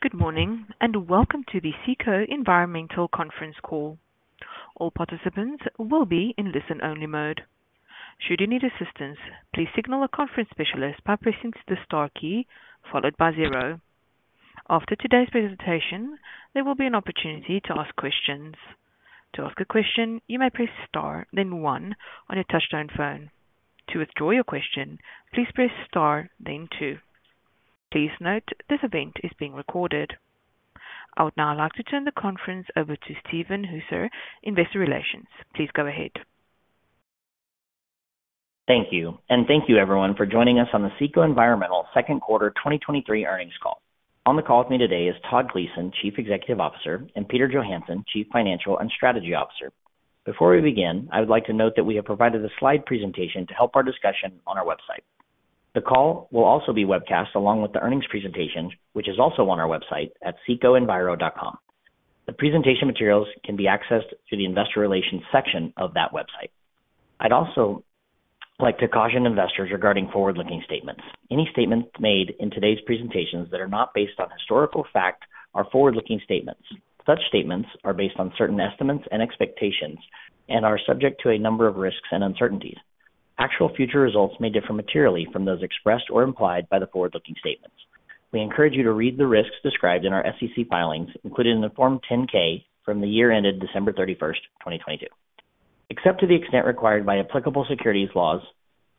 Good morning, welcome to the CECO Environmental conference call. All participants will be in listen-only mode. Should you need assistance, please signal a conference specialist by pressing the star key followed by 0. After today's presentation, there will be an opportunity to ask questions. To ask a question, you may press star, then 1 on your touchtone phone. To withdraw your question, please press star, then 2. Please note, this event is being recorded. I would now like to turn the conference over to Steven Hooser, Investor Relations. Please go ahead. Thank you. Thank you everyone for joining us on the CECO Environmental second quarter 2023 earnings call. On the call with me today is Todd Gleason, Chief Executive Officer, and Peter Johansson, Chief Financial and Strategy Officer. Before we begin, I would like to note that we have provided a slide presentation to help our discussion on our website. The call will also be webcast, along with the earnings presentation, which is also on our website at cecoenviro.com. The presentation materials can be accessed through the Investor Relations section of that website. I'd also like to caution investors regarding forward-looking statements. Any statements made in today's presentations that are not based on historical fact are forward-looking statements. Such statements are based on certain estimates and expectations and are subject to a number of risks and uncertainties. Actual future results may differ materially from those expressed or implied by the forward-looking statements. We encourage you to read the risks described in our SEC filings, including the Form 10-K from the year ended December 31, 2022. Except to the extent required by applicable securities laws,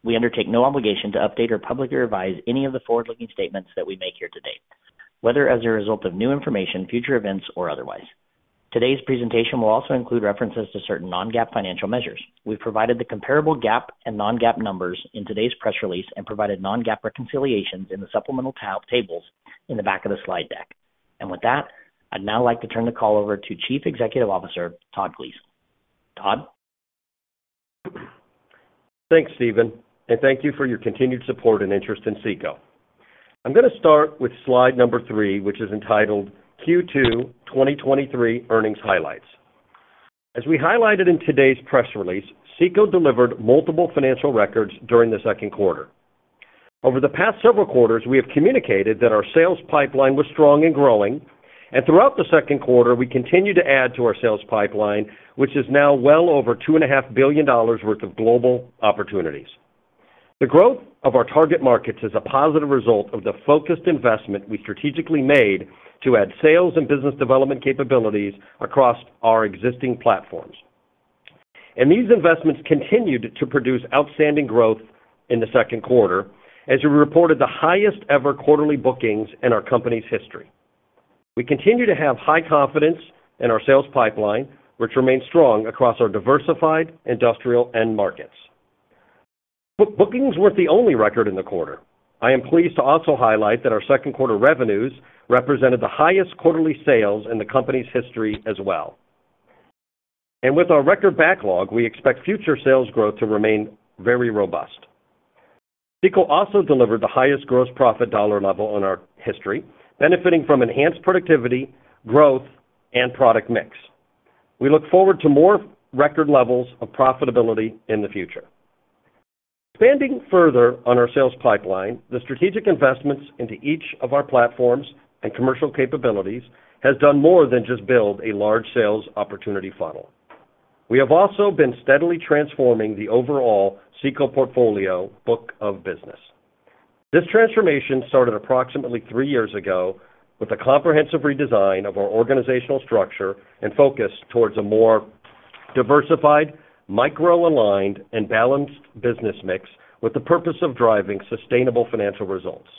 we undertake no obligation to update or publicly revise any of the forward-looking statements that we make here today, whether as a result of new information, future events, or otherwise. Today's presentation will also include references to certain non-GAAP financial measures. We've provided the comparable GAAP and non-GAAP numbers in today's press release and provided non-GAAP reconciliations in the supplemental tables in the back of the slide deck. With that, I'd now like to turn the call over to Chief Executive Officer, Todd Gleason. Todd? Thanks, Steven, thank you for your continued support and interest in CECO. I'm going to start with slide number three, which is entitled Q2 2023 Earnings Highlights. As we highlighted in today's press release, CECO delivered multiple financial records during the second quarter. Over the past several quarters, we have communicated that our sales pipeline was strong and growing, throughout the second quarter, we continued to add to our sales pipeline, which is now well over $2.5 billion worth of global opportunities. The growth of our target markets is a positive result of the focused investment we strategically made to add sales and business development capabilities across our existing platforms. These investments continued to produce outstanding growth in the second quarter, as we reported the highest ever quarterly bookings in our company's history. We continue to have high confidence in our sales pipeline, which remains strong across our diversified, industrial, end markets. Bookings weren't the only record in the quarter. I am pleased to also highlight that our second quarter revenues represented the highest quarterly sales in the company's history as well. With our record backlog, we expect future sales growth to remain very robust. CECO also delivered the highest gross profit dollar level in our history, benefiting from enhanced productivity, growth, and product mix. We look forward to more record levels of profitability in the future. Expanding further on our sales pipeline, the strategic investments into each of our platforms and commercial capabilities has done more than just build a large sales opportunity funnel. We have also been steadily transforming the overall CECO portfolio book of business. This transformation started approximately three years ago with a comprehensive redesign of our organizational structure and focus towards a more diversified, micro-aligned, and balanced business mix, with the purpose of driving sustainable financial results.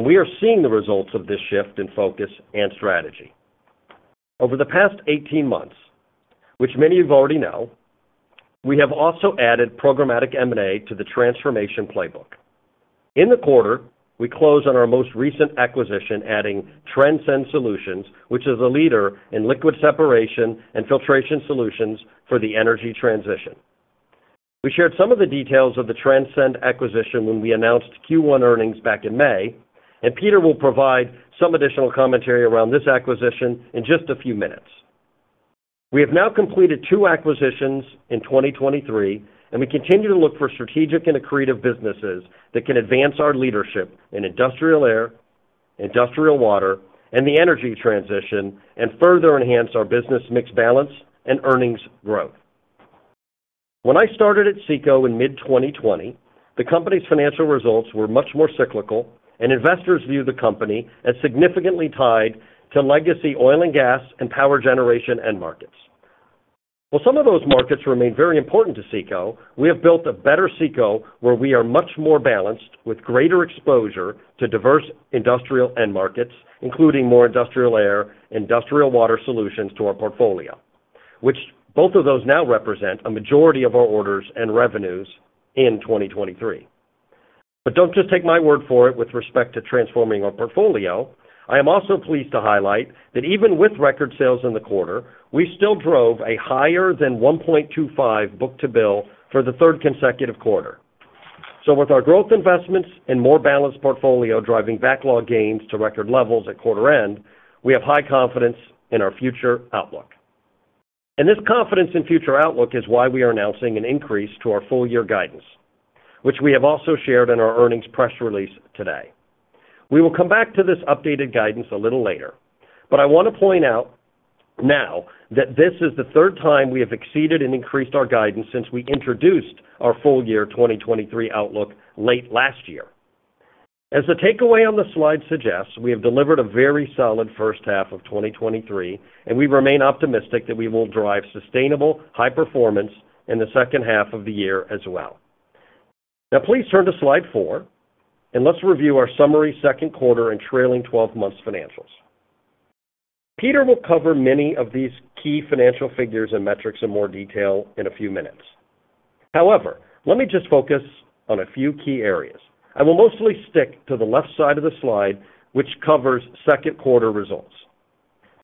We are seeing the results of this shift in focus and strategy. Over the past 18 months, which many of you already know, we have also added programmatic M&A to the transformation playbook. In the quarter, we closed on our most recent acquisition, adding Transcend Solutions, which is a leader in liquid separation and filtration solutions for the energy transition. We shared some of the details of the Transcend acquisition when we announced Q1 earnings back in May, and Peter will provide some additional commentary around this acquisition in just a few minutes. We have now completed 2 acquisitions in 2023. We continue to look for strategic and accretive businesses that can advance our leadership in industrial air, industrial water, and the energy transition, and further enhance our business mix balance and earnings growth. When I started at CECO in mid-2020, the company's financial results were much more cyclical. Investors viewed the company as significantly tied to legacy oil and gas and power generation end markets. While some of those markets remain very important to CECO, we have built a better CECO, where we are much more balanced, with greater exposure to diverse industrial end markets, including more industrial air, industrial water solutions to our portfolio, which both of those now represent a majority of our orders and revenues in 2023. Don't just take my word for it with respect to transforming our portfolio. I am also pleased to highlight that even with record sales in the quarter, we still drove a higher than 1.25 book-to-bill for the third consecutive quarter. With our growth investments and more balanced portfolio driving backlog gains to record levels at quarter end, we have high confidence in our future outlook. This confidence in future outlook is why we are announcing an increase to our full year guidance, which we have also shared in our earnings press release today. We will come back to this updated guidance a little later, but I want to point out now that this is the third time we have exceeded and increased our guidance since we introduced our full year 2023 outlook late last year. As the takeaway on the slide suggests, we have delivered a very solid first half of 2023, we remain optimistic that we will drive sustainable high performance in the second half of the year as well. Now, please turn to slide 4, let's review our summary second quarter and trailing 12 months financials. Peter will cover many of these key financial figures and metrics in more detail in a few minutes. However, let me just focus on a few key areas. I will mostly stick to the left side of the slide, which covers second quarter results.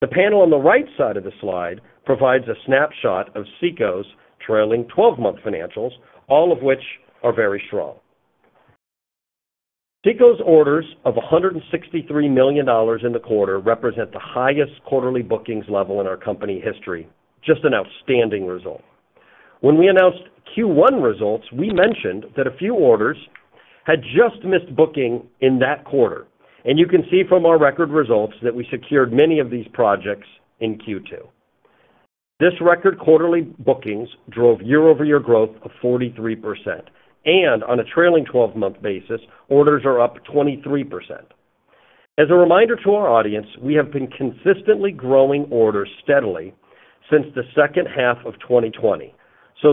The panel on the right side of the slide provides a snapshot of CECO's trailing 12-month financials, all of which are very strong. CECO's orders of $163 million in the quarter represent the highest quarterly bookings level in our company history. Just an outstanding result. When we announced Q1 results, we mentioned that a few orders had just missed booking in that quarter. You can see from our record results that we secured many of these projects in Q2. This record quarterly bookings drove year-over-year growth of 43%. On a TTM basis, orders are up 23%. As a reminder to our audience, we have been consistently growing orders steadily since the second half of 2020.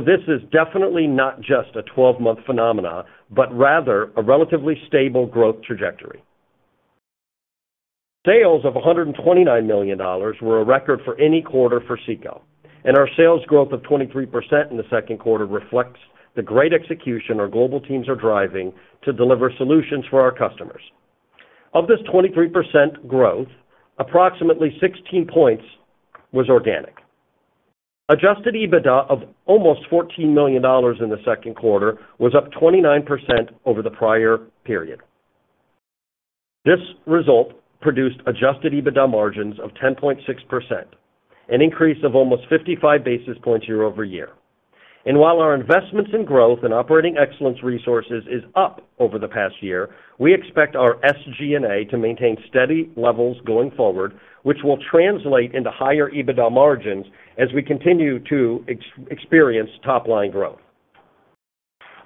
This is definitely not just a 12-month phenomenon, but rather a relatively stable growth trajectory. Sales of $129 million were a record for any quarter for CECO. Our sales growth of 23% in the second quarter reflects the great execution our global teams are driving to deliver solutions for our customers. Of this 23% growth, approximately 16 points was organic. Adjusted EBITDA of almost $14 million in the second quarter was up 29% over the prior period. This result produced adjusted EBITDA margins of 10.6%, an increase of almost 55 basis points year-over-year. While our investments in growth and operating excellence resources is up over the past year, we expect our SG&A to maintain steady levels going forward, which will translate into higher EBITDA margins as we continue to experience top-line growth.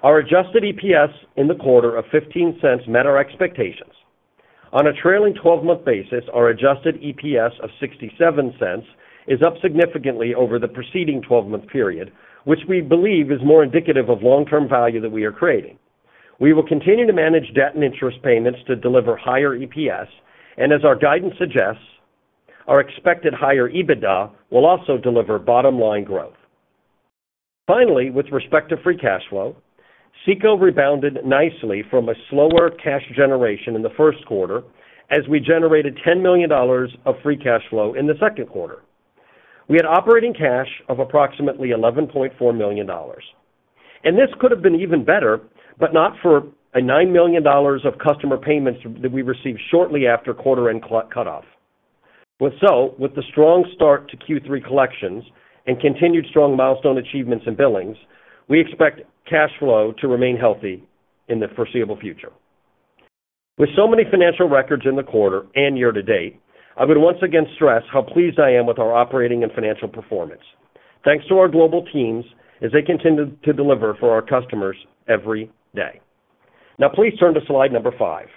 Our adjusted EPS in the quarter of $0.15 met our expectations. On a trailing 12-month basis, our adjusted EPS of $0.67 is up significantly over the preceding 12-month period, which we believe is more indicative of long-term value that we are creating. We will continue to manage debt and interest payments to deliver higher EPS. As our guidance suggests, our expected higher EBITDA will also deliver bottom line growth. Finally, with respect to free cash flow, CECO rebounded nicely from a slower cash generation in the first quarter, as we generated $10 million of free cash flow in the second quarter. We had operating cash of approximately $11.4 million. This could have been even better, but not for a $9 million of customer payments that we received shortly after quarter end cutoff. With the strong start to Q3 collections and continued strong milestone achievements and billings, we expect cash flow to remain healthy in the foreseeable future. With so many financial records in the quarter and year to date, I would once again stress how pleased I am with our operating and financial performance. Thanks to our global teams as they continue to deliver for our customers every day. Now, please turn to slide number five.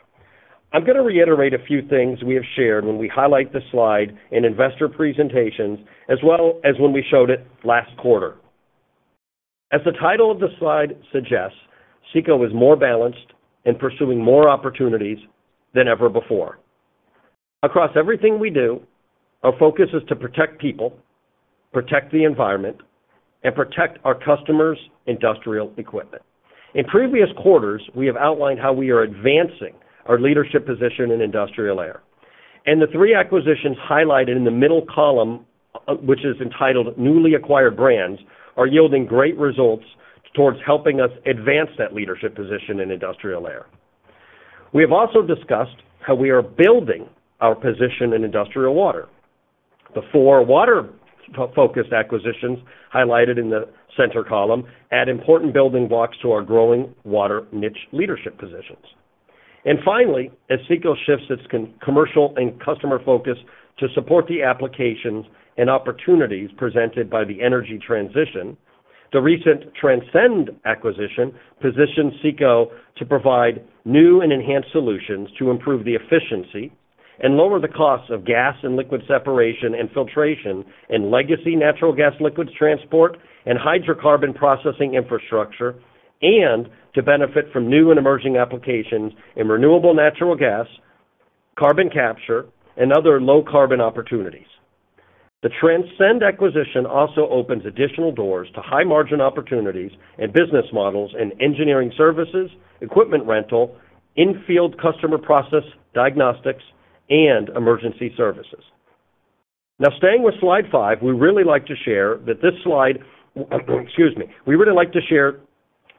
I'm going to reiterate a few things we have shared when we highlight this slide in investor presentations, as well as when we showed it last quarter. As the title of the slide suggests, CECO is more balanced in pursuing more opportunities than ever before. Across everything we do, our focus is to protect people, protect the environment, and protect our customers' industrial equipment. In previous quarters, we have outlined how we are advancing our leadership position in industrial air, and the 3 acquisitions highlighted in the middle column, which is entitled Newly Acquired Brands, are yielding great results towards helping us advance that leadership position in industrial air. We have also discussed how we are building our position in industrial water. The 4 water focused acquisitions, highlighted in the center column, add important building blocks to our growing water niche leadership positions. Finally, as CECO shifts its commercial and customer focus to support the applications and opportunities presented by the energy transition, the recent Transcend acquisition positions CECO to provide new and enhanced solutions to improve the efficiency and lower the costs of gas and liquid separation and filtration in legacy natural gas liquids transport and hydrocarbon processing infrastructure, and to benefit from new and emerging applications in renewable natural gas, carbon capture, and other low carbon opportunities. The Transcend acquisition also opens additional doors to high-margin opportunities and business models in engineering services, equipment rental, in-field customer process, diagnostics, and emergency services. Now, staying with slide 5, we really like to share that this slide. Excuse me. We really like to share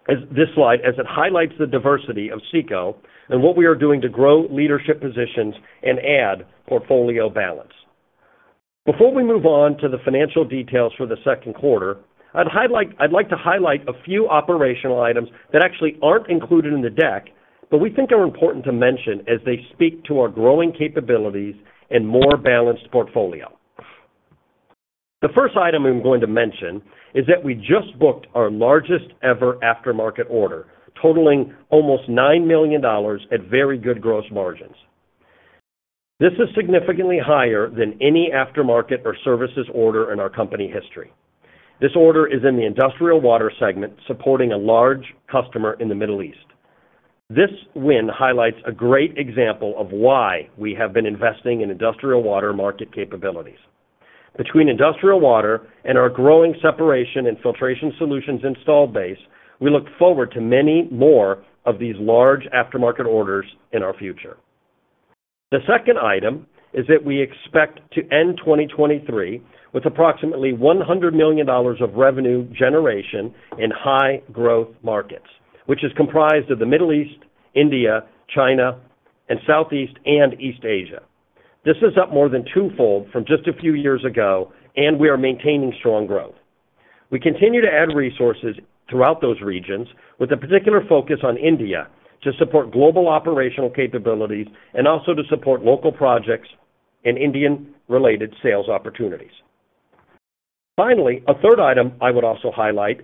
as this slide, as it highlights the diversity of CECO and what we are doing to grow leadership positions and add portfolio balance. Before we move on to the financial details for the second quarter, I'd like to highlight a few operational items that actually aren't included in the deck, but we think are important to mention as they speak to our growing capabilities and more balanced portfolio. The first item I'm going to mention is that we just booked our largest-ever aftermarket order, totaling almost $9 million at very good gross margins. This is significantly higher than any aftermarket or services order in our company history. This order is in the industrial water segment, supporting a large customer in the Middle East. This win highlights a great example of why we have been investing in industrial water market capabilities. Between industrial water and our growing separation and filtration solutions installed base, we look forward to many more of these large aftermarket orders in our future. The second item is that we expect to end 2023 with approximately $100 million of revenue generation in high growth markets, which is comprised of the Middle East, India, China, and Southeast and East Asia. This is up more than twofold from just a few years ago. We are maintaining strong growth. We continue to add resources throughout those regions, with a particular focus on India, to support global operational capabilities and also to support local projects and Indian-related sales opportunities. Finally, a third item I would also highlight,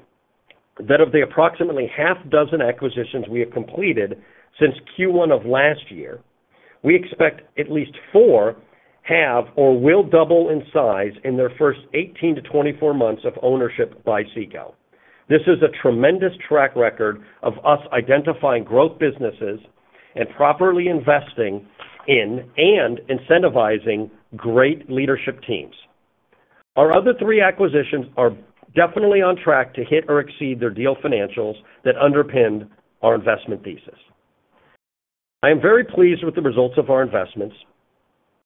that of the approximately 6 acquisitions we have completed since Q1 of last year, we expect at least 4 have or will double in size in their first 18-24 months of ownership by CECO. This is a tremendous track record of us identifying growth businesses and properly investing in and incentivizing great leadership teams. Our other 3 acquisitions are definitely on track to hit or exceed their deal financials that underpinned our investment thesis. I am very pleased with the results of our investments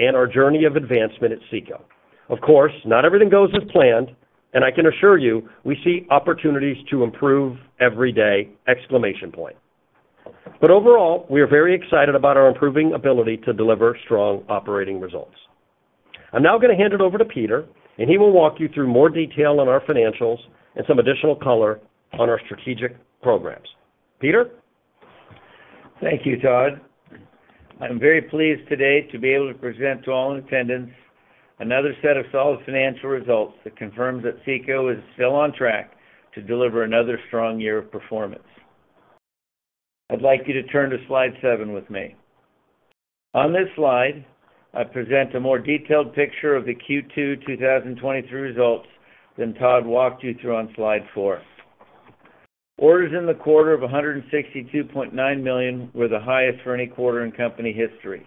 and our journey of advancement at CECO. Of course, not everything goes as planned. I can assure you, we see opportunities to improve every day, exclamation point. Overall, we are very excited about our improving ability to deliver strong operating results. I'm now going to hand it over to Peter. He will walk you through more detail on our financials and some additional color on our strategic programs. Peter? Thank you, Todd. I'm very pleased today to be able to present to all in attendance another set of solid financial results that confirms that CECO is still on track to deliver another strong year of performance. I'd like you to turn to slide seven with me. On this slide, I present a more detailed picture of the Q2 2023 results than Todd walked you through on slide four. Orders in the quarter of $162.9 million were the highest for any quarter in company history.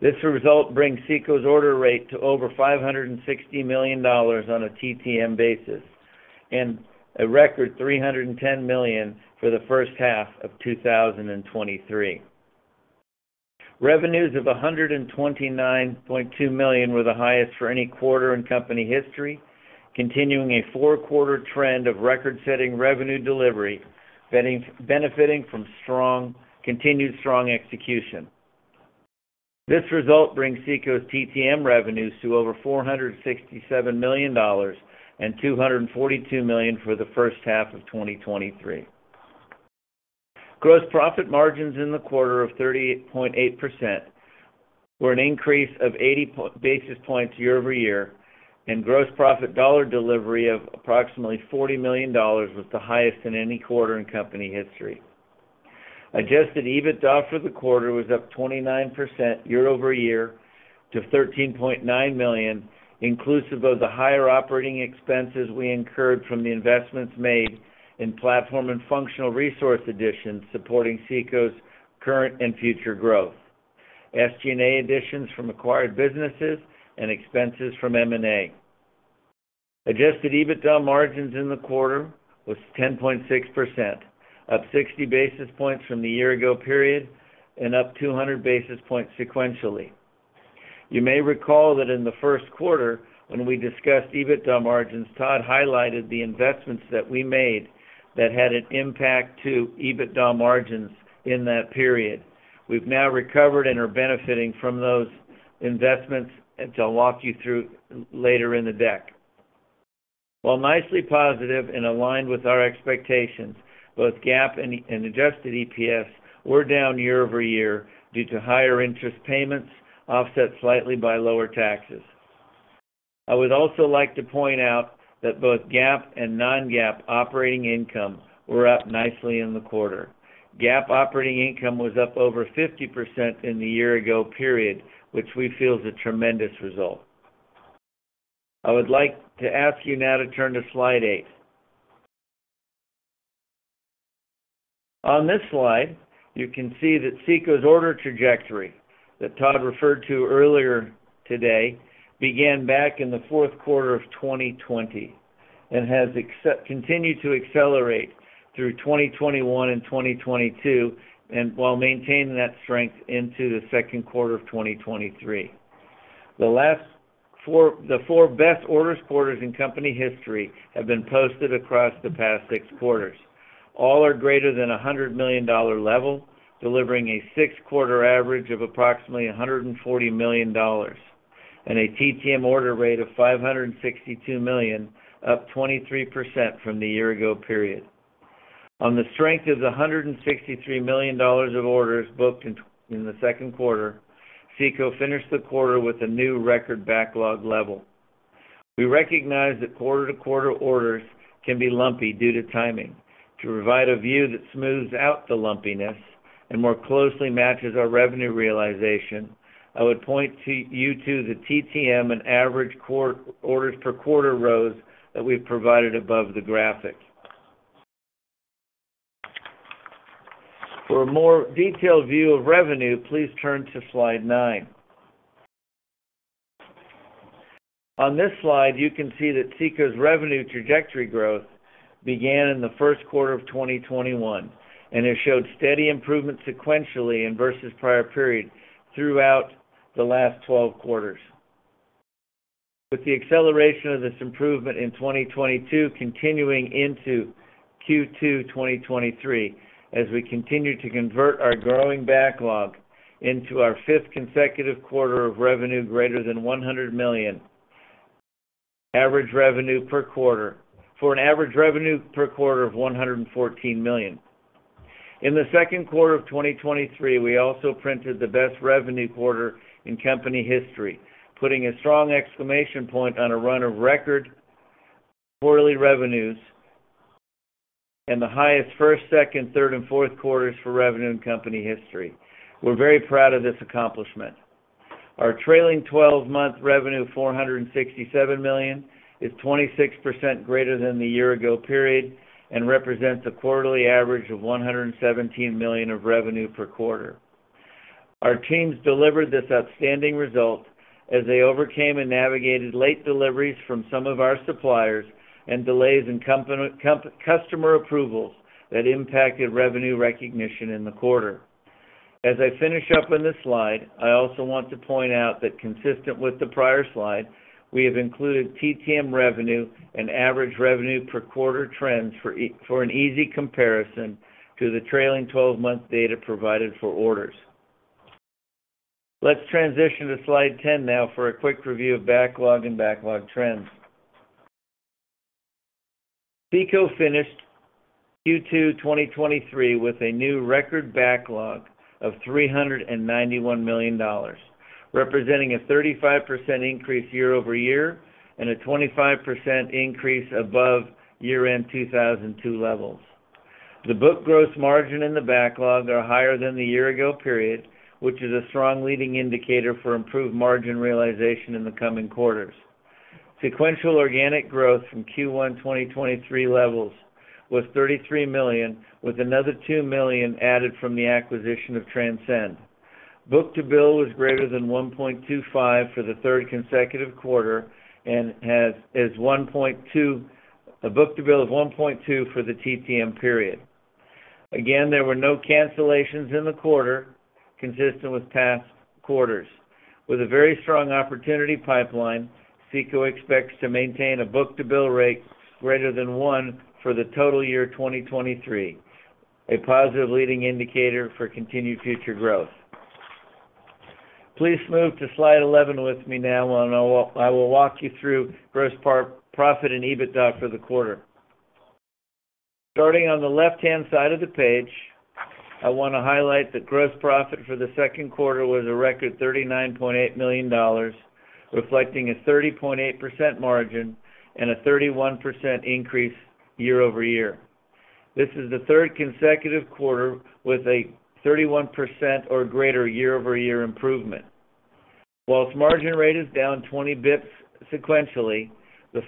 This result brings CECO's order rate to over $560 million on a TTM basis, and a record $310 million for the first half of 2023. Revenues of $129.2 million were the highest for any quarter in company history, continuing a four-quarter trend of record-setting revenue delivery, benefiting from continued strong execution. This result brings CECO's TTM revenues to over $467 million and $242 million for the first half of 2023. Gross profit margins in the quarter of 30.8% were an increase of 80 basis points year-over-year, and gross profit dollar delivery of approximately $40 million was the highest in any quarter in company history. Adjusted EBITDA for the quarter was up 29% year-over-year to $13.9 million, inclusive of the higher operating expenses we incurred from the investments made in platform and functional resource additions supporting CECO's current and future growth, SG&A additions from acquired businesses, and expenses from M&A. Adjusted EBITDA margins in the quarter was 10.6%, up 60 basis points from the year ago period and up 200 basis points sequentially. You may recall that in the first quarter, when we discussed EBITDA margins, Todd highlighted the investments that we made that had an impact to EBITDA margins in that period. We've now recovered and are benefiting from those investments, and I'll walk you through later in the deck. While nicely positive and aligned with our expectations, both GAAP and adjusted EPS were down year-over-year due to higher interest payments, offset slightly by lower taxes. I would also like to point out that both GAAP and non-GAAP operating income were up nicely in the quarter. GAAP operating income was up over 50% in the year ago period, which we feel is a tremendous result. I would like to ask you now to turn to slide 8. On this slide, you can see that CECO's order trajectory that Todd referred to earlier today began back in the fourth quarter of 2020, and has continued to accelerate through 2021 and 2022, and while maintaining that strength into the second quarter of 2023. The last four, the four best orders quarters in company history have been posted across the past six quarters. All are greater than a $100 million level, delivering a 6-quarter average of approximately $140 million and a TTM order rate of $562 million, up 23% from the year ago period. On the strength of the $163 million of orders booked in the second quarter, CECO finished the quarter with a new record backlog level. We recognize that quarter-to-quarter orders can be lumpy due to timing. To provide a view that smooths out the lumpiness and more closely matches our revenue realization, I would point to you to the TTM and average quarter orders per quarter rows that we've provided above the graphic. For a more detailed view of revenue, please turn to Slide 9. On this slide, you can see that CECO's revenue trajectory growth began in the 1st quarter of 2021, has showed steady improvement sequentially and versus prior periods throughout the last 12 quarters. With the acceleration of this improvement in 2022 continuing into Q2 2023, as we continue to convert our growing backlog into our 5th consecutive quarter of revenue greater than $100 million. an average revenue per quarter of $114 million. In the 2nd quarter of 2023, we also printed the best revenue quarter in company history, putting a strong exclamation point on a run of record quarterly revenues and the highest 1st, 2nd, 3rd, and 4th quarters for revenue in company history. We're very proud of this accomplishment. Our trailing twelve-month revenue, $467 million, is 26% greater than the year ago period and represents a quarterly average of $117 million of revenue per quarter. Our teams delivered this outstanding result as they overcame and navigated late deliveries from some of our suppliers and delays in customer approvals that impacted revenue recognition in the quarter. As I finish up on this slide, I also want to point out that consistent with the prior slide, we have included TTM revenue and average revenue per quarter trends for an easy comparison to the trailing twelve-month data provided for orders. Let's transition to Slide 10 now for a quick review of backlog and backlog trends. CECO finished Q2 2023 with a new record backlog of $391 million, representing a 35% increase year-over-year and a 25% increase above year-end 2002 levels. The book gross margin in the backlog are higher than the year ago period, which is a strong leading indicator for improved margin realization in the coming quarters. Sequential organic growth from Q1 2023 levels was $33 million, with another $2 million added from the acquisition of Transcend. Book-to-bill was greater than 1.25 for the third consecutive quarter and a book-to-bill of 1.2 for the TTM period. Again, there were no cancellations in the quarter, consistent with past quarters. With a very strong opportunity pipeline, CECO expects to maintain a book-to-bill rate greater than one for the total year 2023, a positive leading indicator for continued future growth. Please move to slide 11 with me now, I will walk you through gross profit and EBITDA for the quarter. Starting on the left-hand side of the page, I want to highlight that gross profit for the second quarter was a record $39.8 million, reflecting a 30.8% margin and a 31% increase year-over-year. This is the 3rd consecutive quarter with a 31% or greater year-over-year improvement. Margin rate is down 20 basis points sequentially, the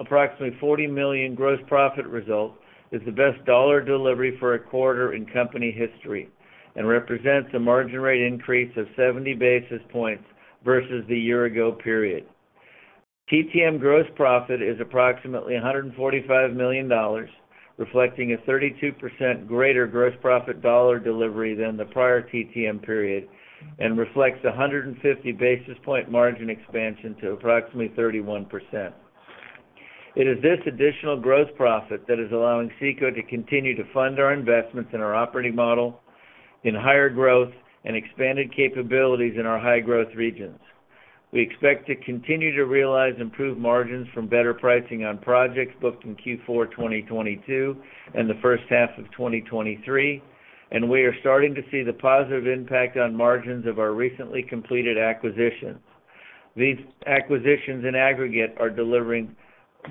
approximately $40 million gross profit result is the best dollar delivery for a quarter in company history and represents a margin rate increase of 70 basis points versus the year-ago period. TTM gross profit is approximately $145 million, reflecting a 32% greater gross profit dollar delivery than the prior TTM period and reflects a 150 basis point margin expansion to approximately 31%. It is this additional gross profit that is allowing CECO to continue to fund our investments in our operating model, in higher growth, and expanded capabilities in our high-growth regions. We expect to continue to realize improved margins from better pricing on projects booked in Q4 2022 and the first half of 2023, and we are starting to see the positive impact on margins of our recently completed acquisitions. These acquisitions, in aggregate, are delivering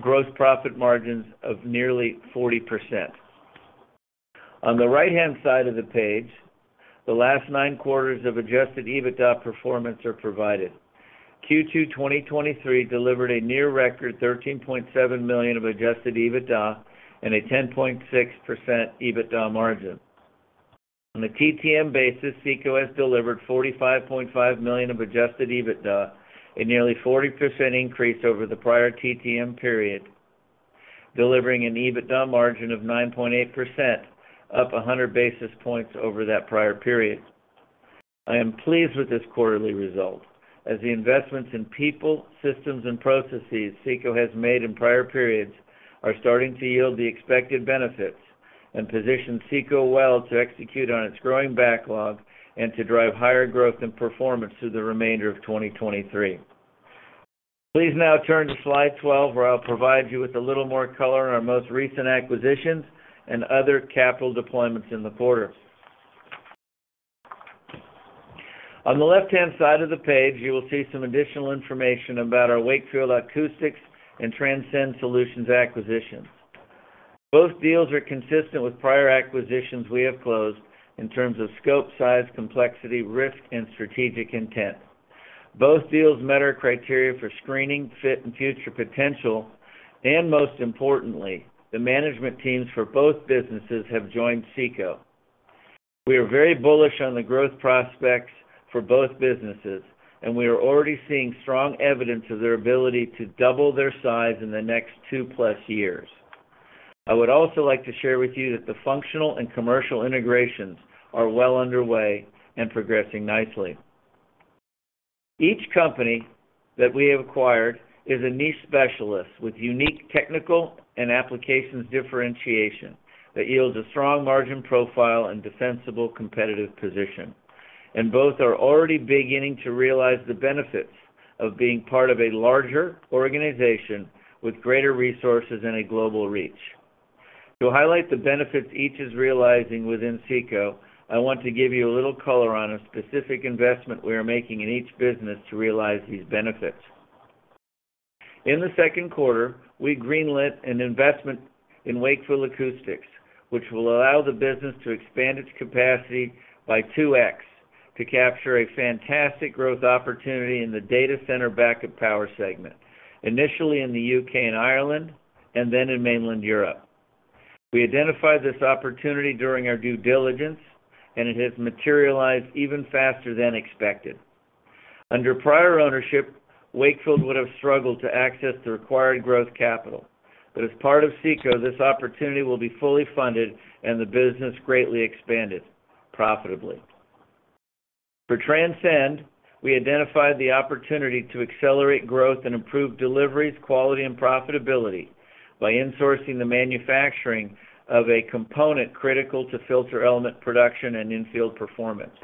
gross profit margins of nearly 40%. On the right-hand side of the page, the last 9 quarters of adjusted EBITDA performance are provided. Q2 2023 delivered a near record $13.7 million of adjusted EBITDA and a 10.6% EBITDA margin. On a TTM basis, CECO has delivered $45.5 million of adjusted EBITDA, a nearly 40% increase over the prior TTM period, delivering an EBITDA margin of 9.8%, up 100 basis points over that prior period. I am pleased with this quarterly result, as the investments in people, systems, and processes CECO has made in prior periods are starting to yield the expected benefits, and position CECO well to execute on its growing backlog and to drive higher growth and performance through the remainder of 2023. Please now turn to slide 12, where I'll provide you with a little more color on our most recent acquisitions and other capital deployments in the quarter. On the left-hand side of the page, you will see some additional information about our Wakefield Acoustics and Transcend Solutions acquisitions. Both deals are consistent with prior acquisitions we have closed in terms of scope, size, complexity, risk, and strategic intent. Both deals met our criteria for screening, fit, and future potential, and most importantly, the management teams for both businesses have joined CECO. We are very bullish on the growth prospects for both businesses, and we are already seeing strong evidence of their ability to double their size in the next two-plus years. I would also like to share with you that the functional and commercial integrations are well underway and progressing nicely. Each company that we have acquired is a niche specialist with unique technical and applications differentiation, that yields a strong margin profile and defensible competitive position. Both are already beginning to realize the benefits of being part of a larger organization with greater resources and a global reach. To highlight the benefits each is realizing within CECO, I want to give you a little color on a specific investment we are making in each business to realize these benefits. In the second quarter, we greenlit an investment in Wakefield Acoustics, which will allow the business to expand its capacity by 2x, to capture a fantastic growth opportunity in the data center backup power segment, initially in the U.K. and Ireland, and then in mainland Europe. We identified this opportunity during our due diligence, it has materialized even faster than expected. As part of CECO, this opportunity will be fully funded and the business greatly expanded, profitably. For Transcend, we identified the opportunity to accelerate growth and improve deliveries, quality, and profitability by insourcing the manufacturing of a component critical to filter element production and in-field performance.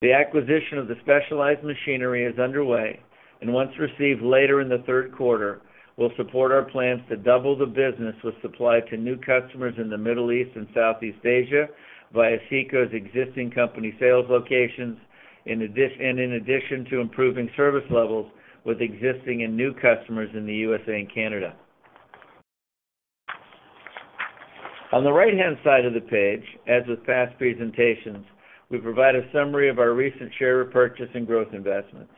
The acquisition of the specialized machinery is underway, and once received later in the third quarter, will support our plans to double the business with supply to new customers in the Middle East and Southeast Asia via CECO's existing company sales locations. In addition to improving service levels with existing and new customers in the USA and Canada. On the right-hand side of the page, as with past presentations, we provide a summary of our recent share repurchase and growth investments.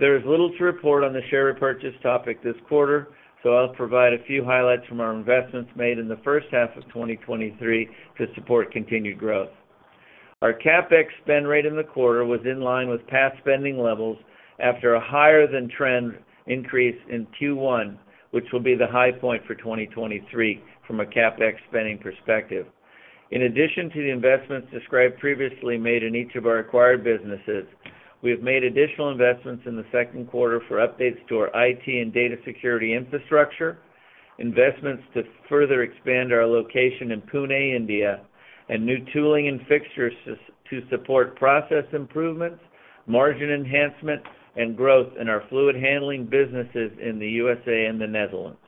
There is little to report on the share repurchase topic this quarter, so I'll provide a few highlights from our investments made in the first half of 2023 to support continued growth. Our CapEx spend rate in the quarter was in line with past spending levels after a higher than trend increase in Q1, which will be the high point for 2023 from a CapEx spending perspective. In addition to the investments described previously made in each of our acquired businesses, we have made additional investments in the second quarter for updates to our IT and data security infrastructure, investments to further expand our location in Pune, India, and new tooling and fixtures to support process improvements, margin enhancement, and growth in our fluid handling businesses in the USA and the Netherlands.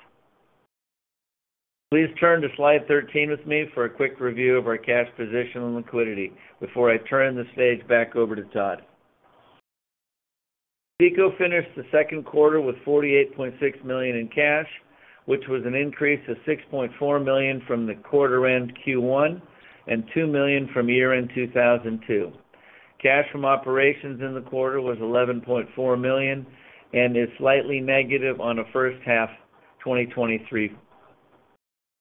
Please turn to slide 13 with me for a quick review of our cash position and liquidity before I turn the stage back over to Todd. CECO finished the second quarter with $48.6 million in cash, which was an increase of $6.4 million from the quarter end Q1, $2 million from year-end 2002. Cash from operations in the quarter was $11.4 million, is slightly negative on a first half 2023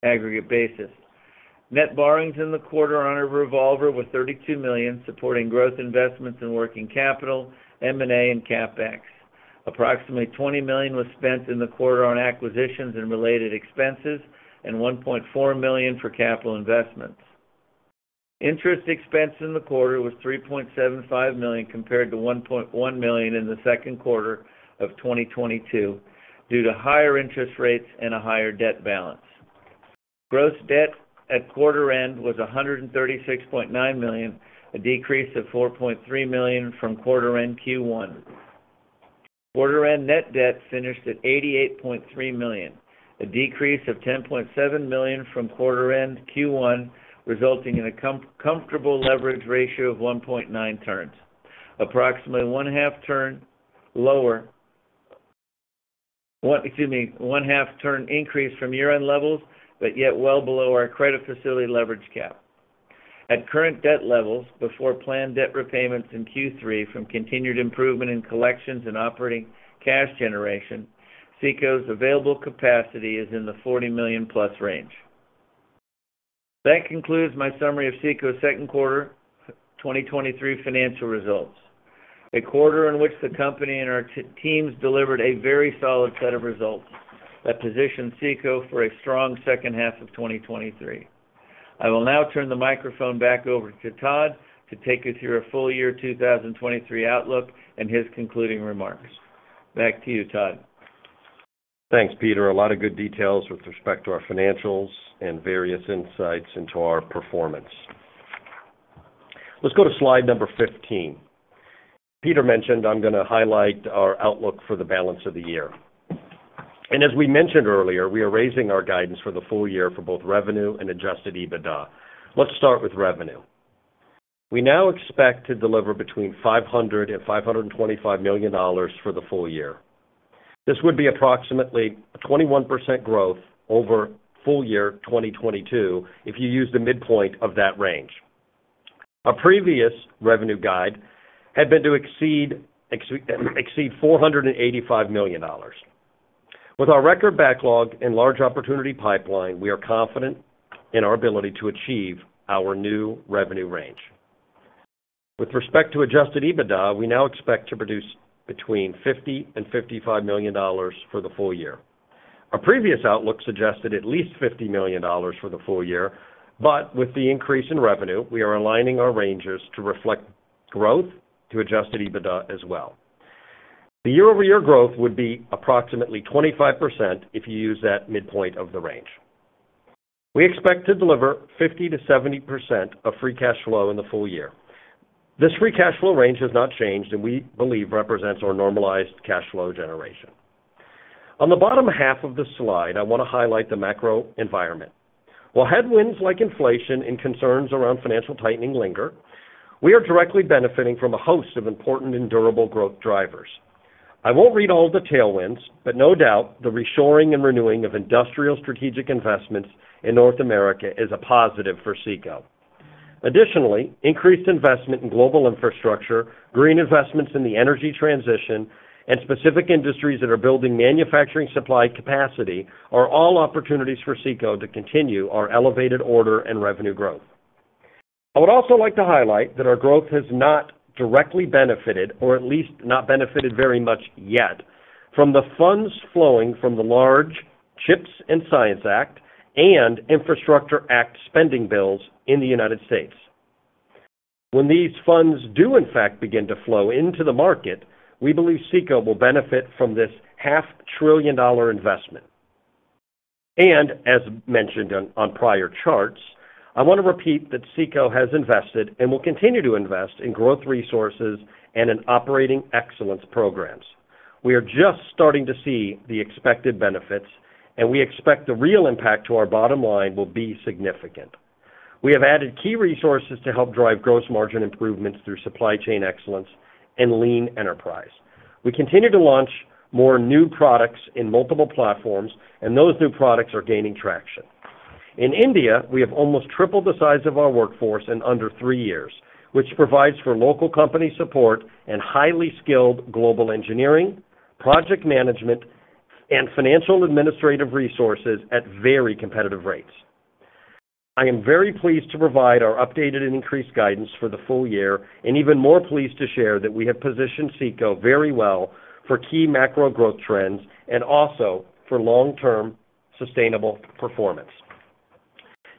aggregate basis. Net borrowings in the quarter on our revolver was $32 million, supporting growth investments in working capital, M&A, and CapEx. Approximately $20 million was spent in the quarter on acquisitions and related expenses, $1.4 million for capital investments. Interest expense in the quarter was $3.75 million, compared to $1.1 million in the second quarter of 2022, due to higher interest rates and a higher debt balance. Gross debt at quarter end was $136.9 million, a decrease of $4.3 million from quarter end Q1. Quarter end net debt finished at $88.3 million, a decrease of $10.7 million from quarter end Q1, resulting in a comfortable leverage ratio of 1.9x turns. Approximately 0.5 turn lower. Well, excuse me, 0.5 turn increase from year-end levels, but yet well below our credit facility leverage cap. At current debt levels, before planned debt repayments in Q3 from continued improvement in collections and operating cash generation, CECO's available capacity is in the $40 million-plus range. That concludes my summary of CECO's second quarter 2023 financial results. A quarter in which the company and our teams delivered a very solid set of results that position CECO for a strong second half of 2023. I will now turn the microphone back over to Todd to take us through our full year 2023 outlook and his concluding remarks. Back to you, Todd. Thanks, Peter. A lot of good details with respect to our financials and various insights into our performance. Let's go to slide number 15. Peter mentioned I'm going to highlight our outlook for the balance of the year. As we mentioned earlier, we are raising our guidance for the full year for both revenue and adjusted EBITDA. Let's start with revenue. We now expect to deliver between $500 million and $525 million for the full year. This would be approximately a 21% growth over full year 2022, if you use the midpoint of that range. Our previous revenue guide had been to exceed $485 million. With our record backlog and large opportunity pipeline, we are confident in our ability to achieve our new revenue range. With respect to Adjusted EBITDA, we now expect to produce between $50 million and $55 million for the full year. Our previous outlook suggested at least $50 million for the full year, but with the increase in revenue, we are aligning our ranges to reflect growth to Adjusted EBITDA as well. The year-over-year growth would be approximately 25% if you use that midpoint of the range. We expect to deliver 50%-70% of free cash flow in the full year. This free cash flow range has not changed, and we believe represents our normalized cash flow generation. On the bottom half of the slide, I want to highlight the macro environment. While headwinds like inflation and concerns around financial tightening linger, we are directly benefiting from a host of important and durable growth drivers. I won't read all the tailwinds, no doubt, the reshoring and renewing of industrial strategic investments in North America is a positive for CECO. Additionally, increased investment in global infrastructure, green investments in the energy transition, and specific industries that are building manufacturing supply capacity are all opportunities for CECO to continue our elevated order and revenue growth. I would also like to highlight that our growth has not directly benefited, or at least not benefited very much yet, from the funds flowing from the large CHIPS and Science Act and Infrastructure Act spending bills in the United States. When these funds do, in fact, begin to flow into the market, we believe CECO will benefit from this $0.5 trillion investment. As mentioned on, on prior charts, I want to repeat that CECO has invested and will continue to invest in growth resources and in operating excellence programs. We are just starting to see the expected benefits, and we expect the real impact to our bottom line will be significant. We have added key resources to help drive gross margin improvements through supply chain excellence and lean enterprise. We continue to launch more new products in multiple platforms, and those new products are gaining traction. In India, we have almost tripled the size of our workforce in under 3 years, which provides for local company support and highly skilled global engineering, project management, and financial administrative resources at very competitive rates. I am very pleased to provide our updated and increased guidance for the full year, and even more pleased to share that we have positioned CECO very well for key macro growth trends and also for long-term sustainable performance.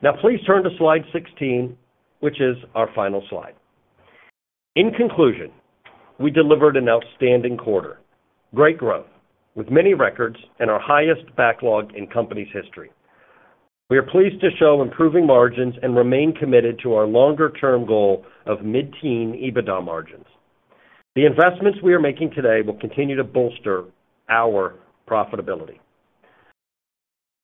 Now, please turn to slide 16, which is our final slide. In conclusion, we delivered an outstanding quarter, great growth with many records and our highest backlog in company's history. We are pleased to show improving margins and remain committed to our longer-term goal of mid-teen EBITDA margins. The investments we are making today will continue to bolster our profitability.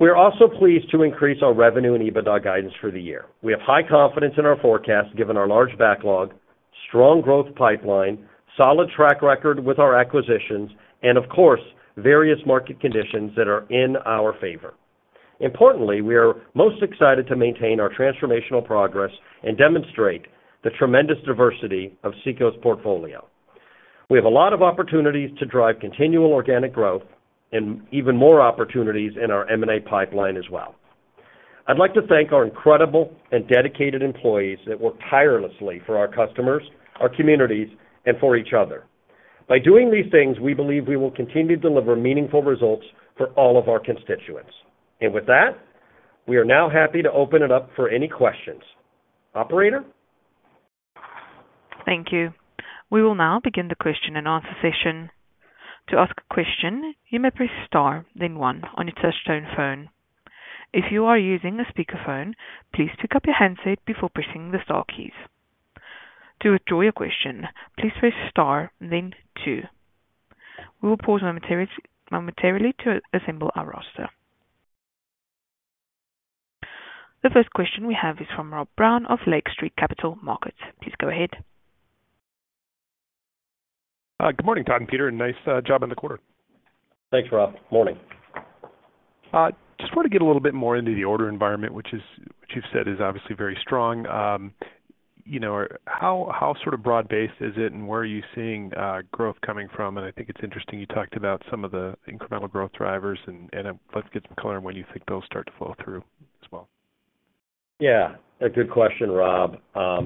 We are also pleased to increase our revenue and EBITDA guidance for the year. We have high confidence in our forecast, given our large backlog, strong growth pipeline, solid track record with our acquisitions, and of course, various market conditions that are in our favor. Importantly, we are most excited to maintain our transformational progress and demonstrate the tremendous diversity of CECO's portfolio. We have a lot of opportunities to drive continual organic growth and even more opportunities in our M&A pipeline as well. I'd like to thank our incredible and dedicated employees that work tirelessly for our customers, our communities, and for each other. By doing these things, we believe we will continue to deliver meaningful results for all of our constituents. With that, we are now happy to open it up for any questions. Operator? Thank you. We will now begin the question and answer session. To ask a question, you may press star then one on your touchtone phone. If you are using a speakerphone, please pick up your handset before pressing the star keys. To withdraw your question, please press star then two. We will pause momentarily to assemble our roster. The first question we have is from Rob Brown of Lake Street Capital Markets. Please go ahead. Good morning, Todd and Peter, nice job on the quarter. Thanks, Rob. Morning. Just want to get a little bit more into the order environment, which is, which you've said is obviously very strong, you know, or how, how sort of broad-based is it, and where are you seeing growth coming from? I think it's interesting you talked about some of the incremental growth drivers, and, and, let's get some color on when you think those start to flow through as well. Yeah, a good question, Rob.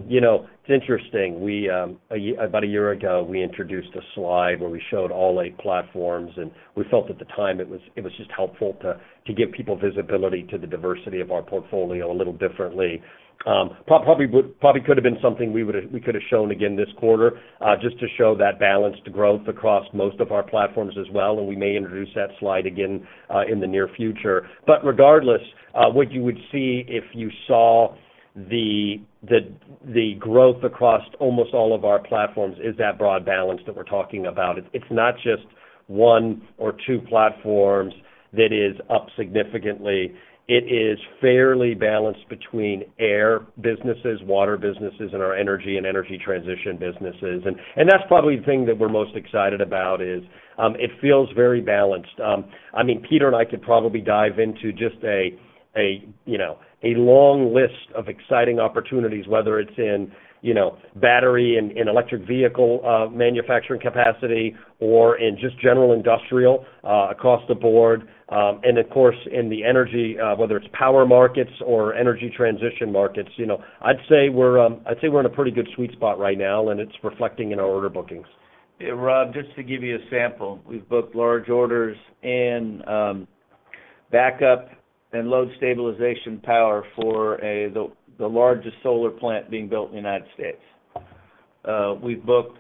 You know, it's interesting. We, about a year ago, we introduced a slide where we showed all eight platforms, and we felt at the time it was, it was just helpful to, to give people visibility to the diversity of our portfolio a little differently. Probably could have been something we would have, we could have shown again this quarter, just to show that balanced growth across most of our platforms as well, and we may introduce that slide again, in the near future. Regardless, what you would see if you saw the, the, the growth across almost all of our platforms is that broad balance that we're talking about. It's, it's not just one or two platforms that is up significantly. It is fairly balanced between air businesses, water businesses, and our energy and energy transition businesses. That's probably the thing that we're most excited about, is, it feels very balanced. I mean, Peter and I could probably dive into just a, you know, a long list of exciting opportunities, whether it's in, you know, battery and in electric vehicle manufacturing capacity or in just general industrial across the board, and of course, in the energy, whether it's power markets or energy transition markets. You know, I'd say we're, I'd say we're in a pretty good sweet spot right now, and it's reflecting in our order bookings. Hey, Rob, just to give you a sample, we've booked large orders in backup and load stabilization power for the largest solar plant being built in the United States. We've booked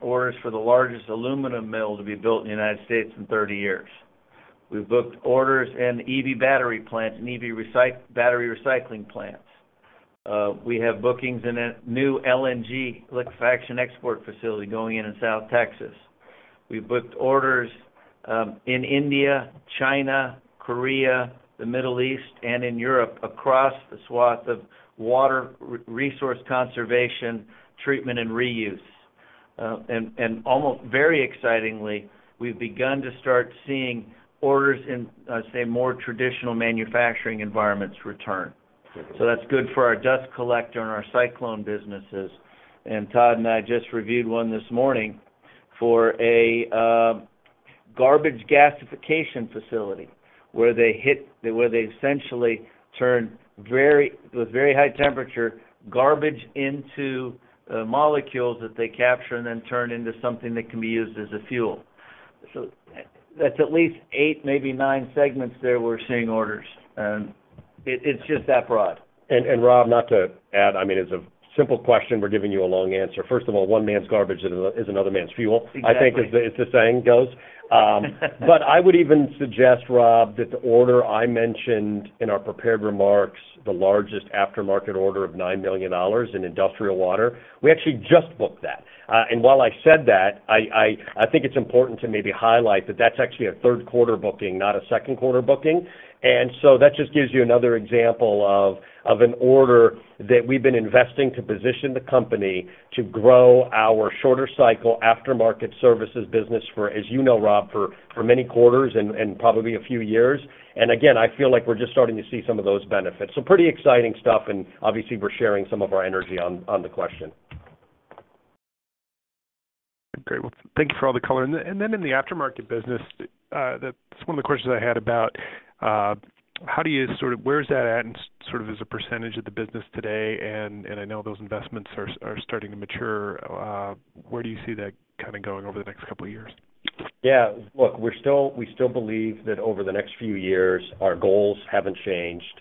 orders for the largest aluminum mill to be built in the United States in 30 years. We've booked orders in EV battery plants and EV battery recycling plants. We have bookings in a new LNG liquefaction export facility going in in South Texas. We've booked orders in India, China, Korea, the Middle East, and in Europe, across the swath of water resource conservation, treatment, and reuse. And almost very excitingly, we've begun to start seeing orders in, say, more traditional manufacturing environments return. That's good for our dust collector and our cyclone businesses. Todd and I just reviewed one this morning for a garbage gasification facility, where they essentially turn very, with very high temperature, garbage into molecules that they capture and then turn into something that can be used as a fuel. That's at least eight, maybe nine segments there we're seeing orders, and it, it's just that broad. Rob, not to add, I mean, it's a simple question. We're giving you a long answer. First of all, one man's garbage is another man's fuel. Exactly I think, as the, as the saying goes. I would even suggest, Rob, that the order I mentioned in our prepared remarks, the largest aftermarket order of $9 million in industrial water, we actually just booked that. While I said that, I think it's important to maybe highlight that that's actually a third quarter booking, not a second quarter booking. That just gives you another example of an order that we've been investing to position the company to grow our shorter cycle aftermarket services business for, as you know, Rob, for many quarters and probably a few years. Again, I feel like we're just starting to see some of those benefits. Pretty exciting stuff, and obviously, we're sharing some of our energy on the question. Great. Well, thank you for all the color. Then, and then in the aftermarket business, that's one of the questions I had about, how do you where is that at and sort of as a percentage of the business today, and, and I know those investments are, are starting to mature, where do you see that kind of going over the next couple of years? Yeah. Look, we still believe that over the next few years, our goals haven't changed.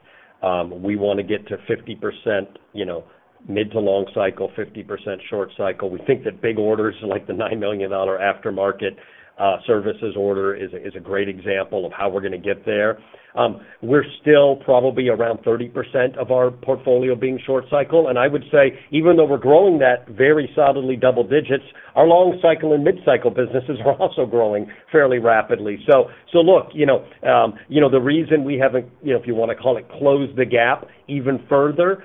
We want to get to 50%, you know, mid to long cycle, 50% short cycle. We think that big orders, like the $9 million aftermarket services order, is a great example of how we're going to get there. We're still probably around 30% of our portfolio being short cycle, and I would say, even though we're growing that very solidly double digits, our long cycle and mid-cycle businesses are also growing fairly rapidly. Look, you know, you know, the reason we haven't, you know, if you want to call it, closed the gap even further,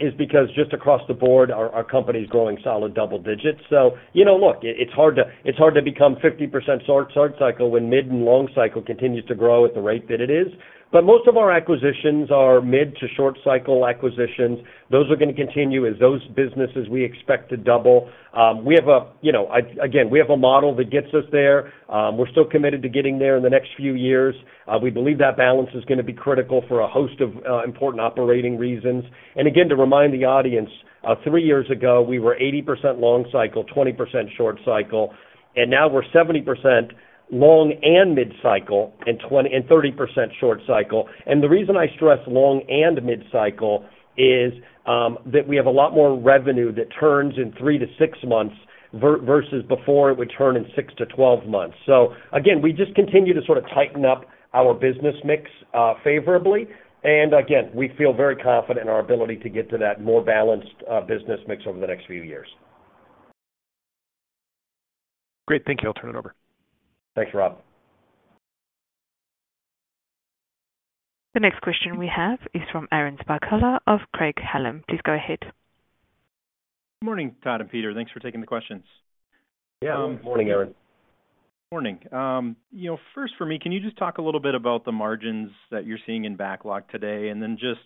is because just across the board, our, our company is growing solid double digits. You know, look, it's hard to, it's hard to become 50% short cycle when mid and long cycle continues to grow at the rate that it is. Most of our acquisitions are mid to short cycle acquisitions. Those are going to continue as those businesses we expect to double. We have a, you know, again, we have a model that gets us there. We're still committed to getting there in the next few years. We believe that balance is going to be critical for a host of important operating reasons. Again, to remind the audience, 3 years ago, we were 80% long cycle, 20% short cycle, and now we're 70% long and mid cycle and 30% short cycle. The reason I stress long and mid cycle is that we have a lot more revenue that turns in 3-6 months, versus before it would turn in 6-12 months. Again, we just continue to sort of tighten up our business mix favorably. Again, we feel very confident in our ability to get to that more balanced business mix over the next few years. Great. Thank you. I'll turn it over. Thanks, Rob. The next question we have is from Aaron Spychalla of Craig-Hallum. Please go ahead. Good morning, Todd and Peter. Thanks for taking the questions. Yeah, good morning, Aaron. Morning. you know, first for me, can you just talk a little bit about the margins that you're seeing in backlog today? Then just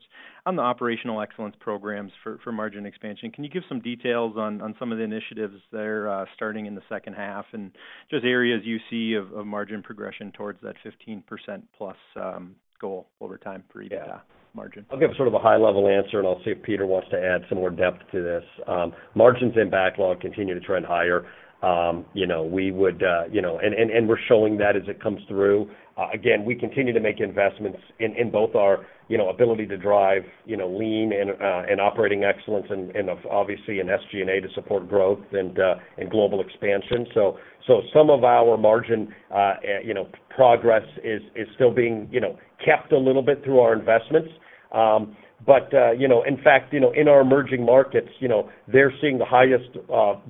on the operational excellence programs for, for margin expansion, can you give some details on, on some of the initiatives there, starting in the second half, and just areas you see of, of margin progression towards that 15% plus, goal over time for EBITDA margin? I'll give sort of a high-level answer, and I'll see if Peter wants to add some more depth to this. Margins and backlog continue to trend higher. You know, we would, you know, and, and, we're showing that as it comes through. Again, we continue to make investments in, in both our, you know, ability to drive, you know, lean and, and operating excellence and, and obviously, in SG&A to support growth and, and global expansion. So some of our margin, you know, progress is, is still being, you know, kept a little bit through our investments. You know, in fact, you know, in our emerging markets, you know, they're seeing the highest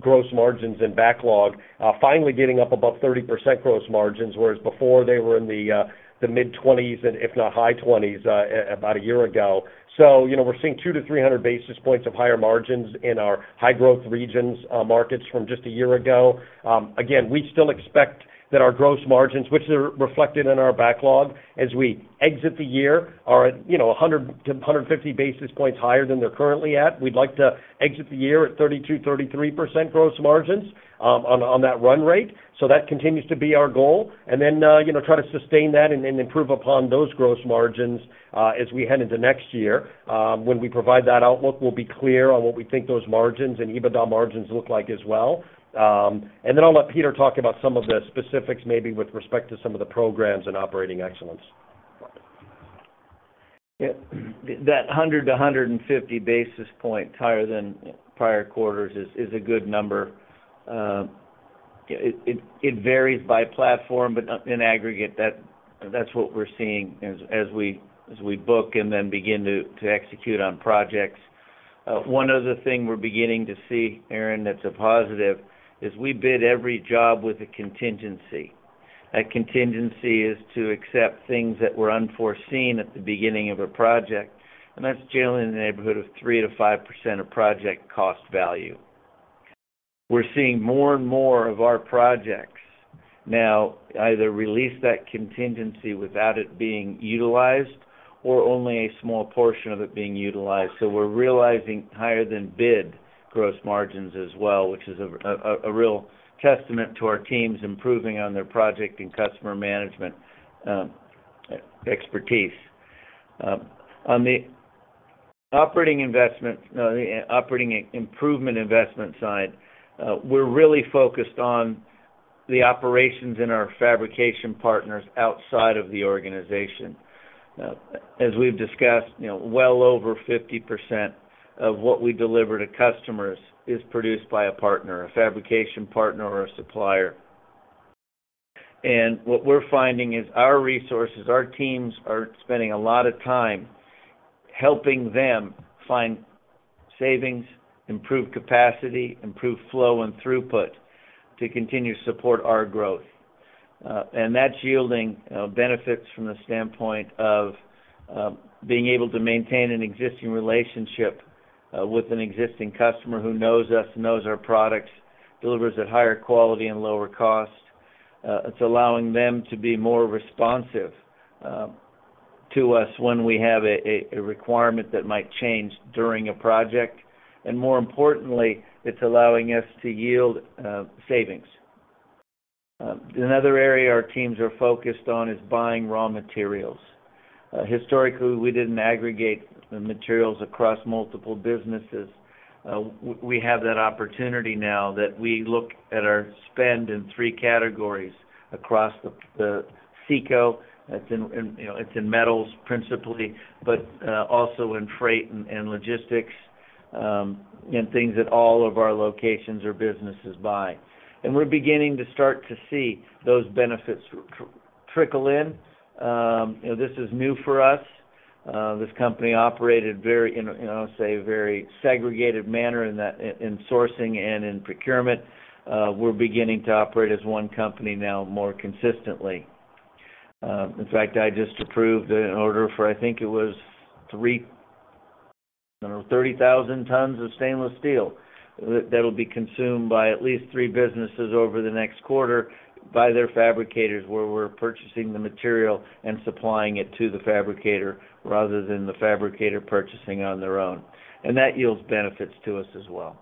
gross margins and backlog, finally getting up above 30% gross margins, whereas before they were in the mid-20s, and if not high 20s, about a year ago. You know, we're seeing 200-300 basis points of higher margins in our high growth regions, markets from just a year ago. Again, we still expect that our gross margins, which are reflected in our backlog as we exit the year, are at, you know, 100-150 basis points higher than they're currently at. We'd like to exit the year at 32%-33% gross margins on that run rate. That continues to be our goal, you know, try to sustain that and improve upon those gross margins as we head into next year. When we provide that outlook, we'll be clear on what we think those margins and EBITDA margins look like as well. I'll let Peter talk about some of the specifics, maybe with respect to some of the programs and operating excellence. Yeah, that 100 to 150 basis points higher than prior quarters is a good number. It varies by platform, but in aggregate, that's what we're seeing as we book and then begin to execute on projects. One other thing we're beginning to see, Aaron, that's a positive, is we bid every job with a contingency. That contingency is to accept things that were unforeseen at the beginning of a project, and that's generally in the neighborhood of 3%-5% of project cost value. We're seeing more and more of our projects now, either release that contingency without it being utilized or only a small portion of it being utilized. We're realizing higher than bid gross margins as well, which is a real testament to our teams improving on their project and customer management expertise. On the operating investment, no, the operating improvement investment side, we're really focused on the operations in our fabrication partners outside of the organization. As we've discussed, you know, well over 50% of what we deliver to customers is produced by a partner, a fabrication partner, or a supplier. And what we're finding is our resources, our teams are spending a lot of time helping them find savings, improve capacity, improve flow and throughput to continue to support our growth. And that's yielding benefits from the standpoint of being able to maintain an existing relationship with an existing customer who knows us and knows our products, delivers at higher quality and lower cost. It's allowing them to be more responsive to us when we have a, a, a requirement that might change during a project. More importantly, it's allowing us to yield savings. Another area our teams are focused on is buying raw materials. Historically, we didn't aggregate the materials across multiple businesses. We, we have that opportunity now that we look at our spend in three categories across the, the CECO. It's in, you know, it's in metals principally, but also in freight and, and logistics, and things that all of our locations or businesses buy. We're beginning to start to see those benefits trickle in. This is new for us. This company operated very, in, I'll say, a very segregated manner in that, in, in sourcing and in procurement. We're beginning to operate as one company now more consistently. In fact, I just approved an order for 30,000 tons of stainless steel, that, that'll be consumed by at least three businesses over the next quarter by their fabricators, where we're purchasing the material and supplying it to the fabricator rather than the fabricator purchasing on their own. That yields benefits to us as well.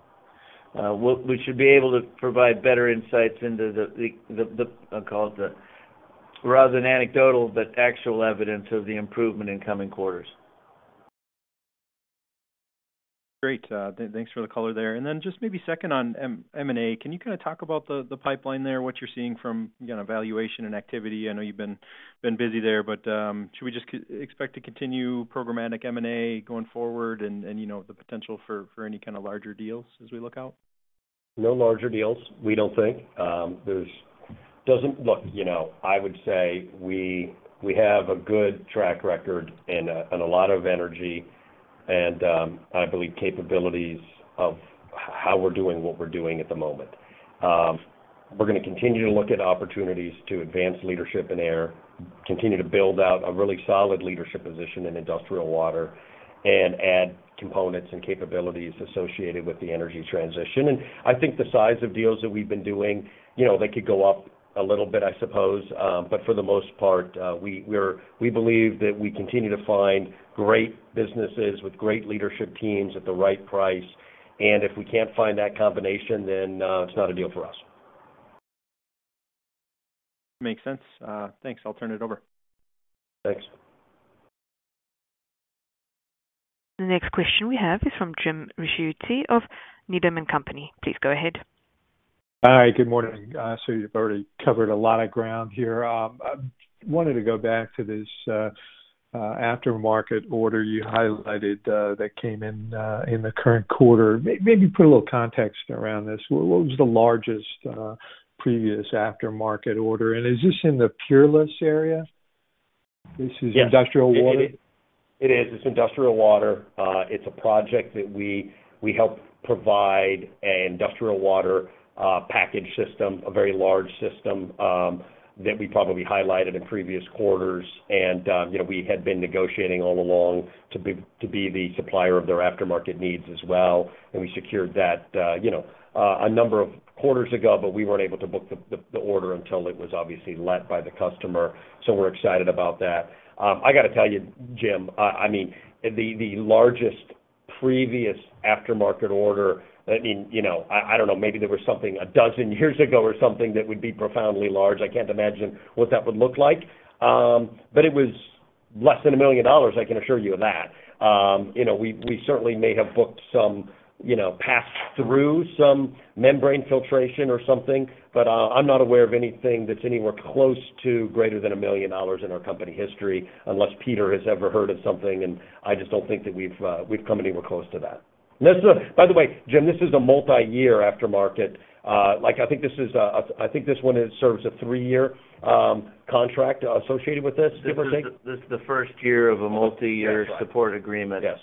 We should be able to provide better insights into the rather than anecdotal, but actual evidence of the improvement in coming quarters. Great. Thanks for the color there. Then just maybe second on M&A. Can you kinda talk about the pipeline there, what you're seeing from, you know, valuation and activity? I know you've been busy there, but, should we just expect to continue programmatic M&A going forward and, you know, the potential for any kind of larger deals as we look out? No larger deals, we don't think. Doesn't. Look, you know, I would say we, we have a good track record and a lot of energy, and I believe capabilities of how we're doing what we're doing at the moment. We're going to continue to look at opportunities to advance leadership in air, continue to build out a really solid leadership position in industrial water, and add components and capabilities associated with the energy transition. I think the size of deals that we've been doing, you know, they could go up a little bit, I suppose. For the most part, we believe that we continue to find great businesses with great leadership teams at the right price, and if we can't find that combination, then it's not a deal for us. Makes sense. Thanks. I'll turn it over. Thanks. The next question we have is from Jim Ricchiuti of Needham & Company. Please go ahead. Hi, good morning. you've already covered a lot of ground here. I wanted to go back to this aftermarket order you highlighted that came in in the current quarter. Maybe put a little context around this. What was the largest previous aftermarket order? Is this in the PUREless area? Yes Industrial water? It is. It's industrial water. It's a project that we, we help provide an industrial water package system, a very large system, that we probably highlighted in previous quarters. You know, we had been negotiating all along to be, to be the supplier of their aftermarket needs as well, and we secured that, you know, a number of quarters ago, but we weren't able to book the order until it was obviously led by the customer. We're excited about that. I gotta tell you, Jim, I, I mean, the largest previous aftermarket order, I mean, you know, I, I don't know, maybe there was something 12 years ago or something that would be profoundly large. I can't imagine what that would look like. It was less than $1 million, I can assure you of that. You know, we, we certainly may have booked some, you know, passed through some membrane filtration or something, but I'm not aware of anything that's anywhere close to greater than $1 million in our company history, unless Peter has ever heard of something, and I just don't think that we've come anywhere close to that. By the way, Jim, this is a multi-year aftermarket. Like, I think this is, I think this one is, serves a 3-year contract associated with this, give or take. This is the first year of a multi-year. Yes. Support agreement. Yes.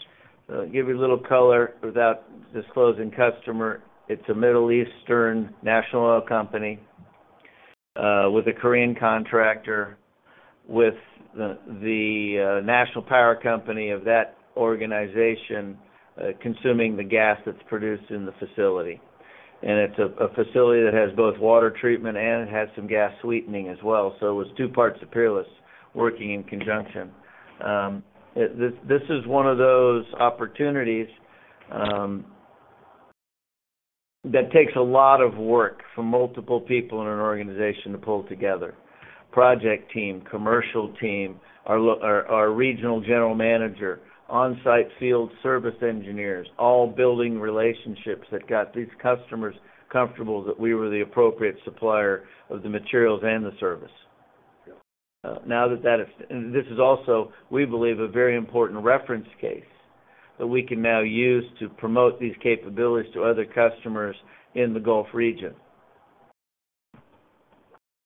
Give you a little color without disclosing customer. It's a Middle Eastern national oil company, with a Korean contractor, with the national power company of that organization, consuming the gas that's produced in the facility. It's a facility that has both water treatment and it has some gas sweetening as well. It was two parts of PUREless working in conjunction. It, this, this is one of those opportunities that takes a lot of work from multiple people in an organization to pull together. Project team, commercial team, our regional general manager, on-site field service engineers, all building relationships that got these customers comfortable that we were the appropriate supplier of the materials and the service. Yeah. Now this is also, we believe, a very important reference case that we can now use to promote these capabilities to other customers in the Gulf region.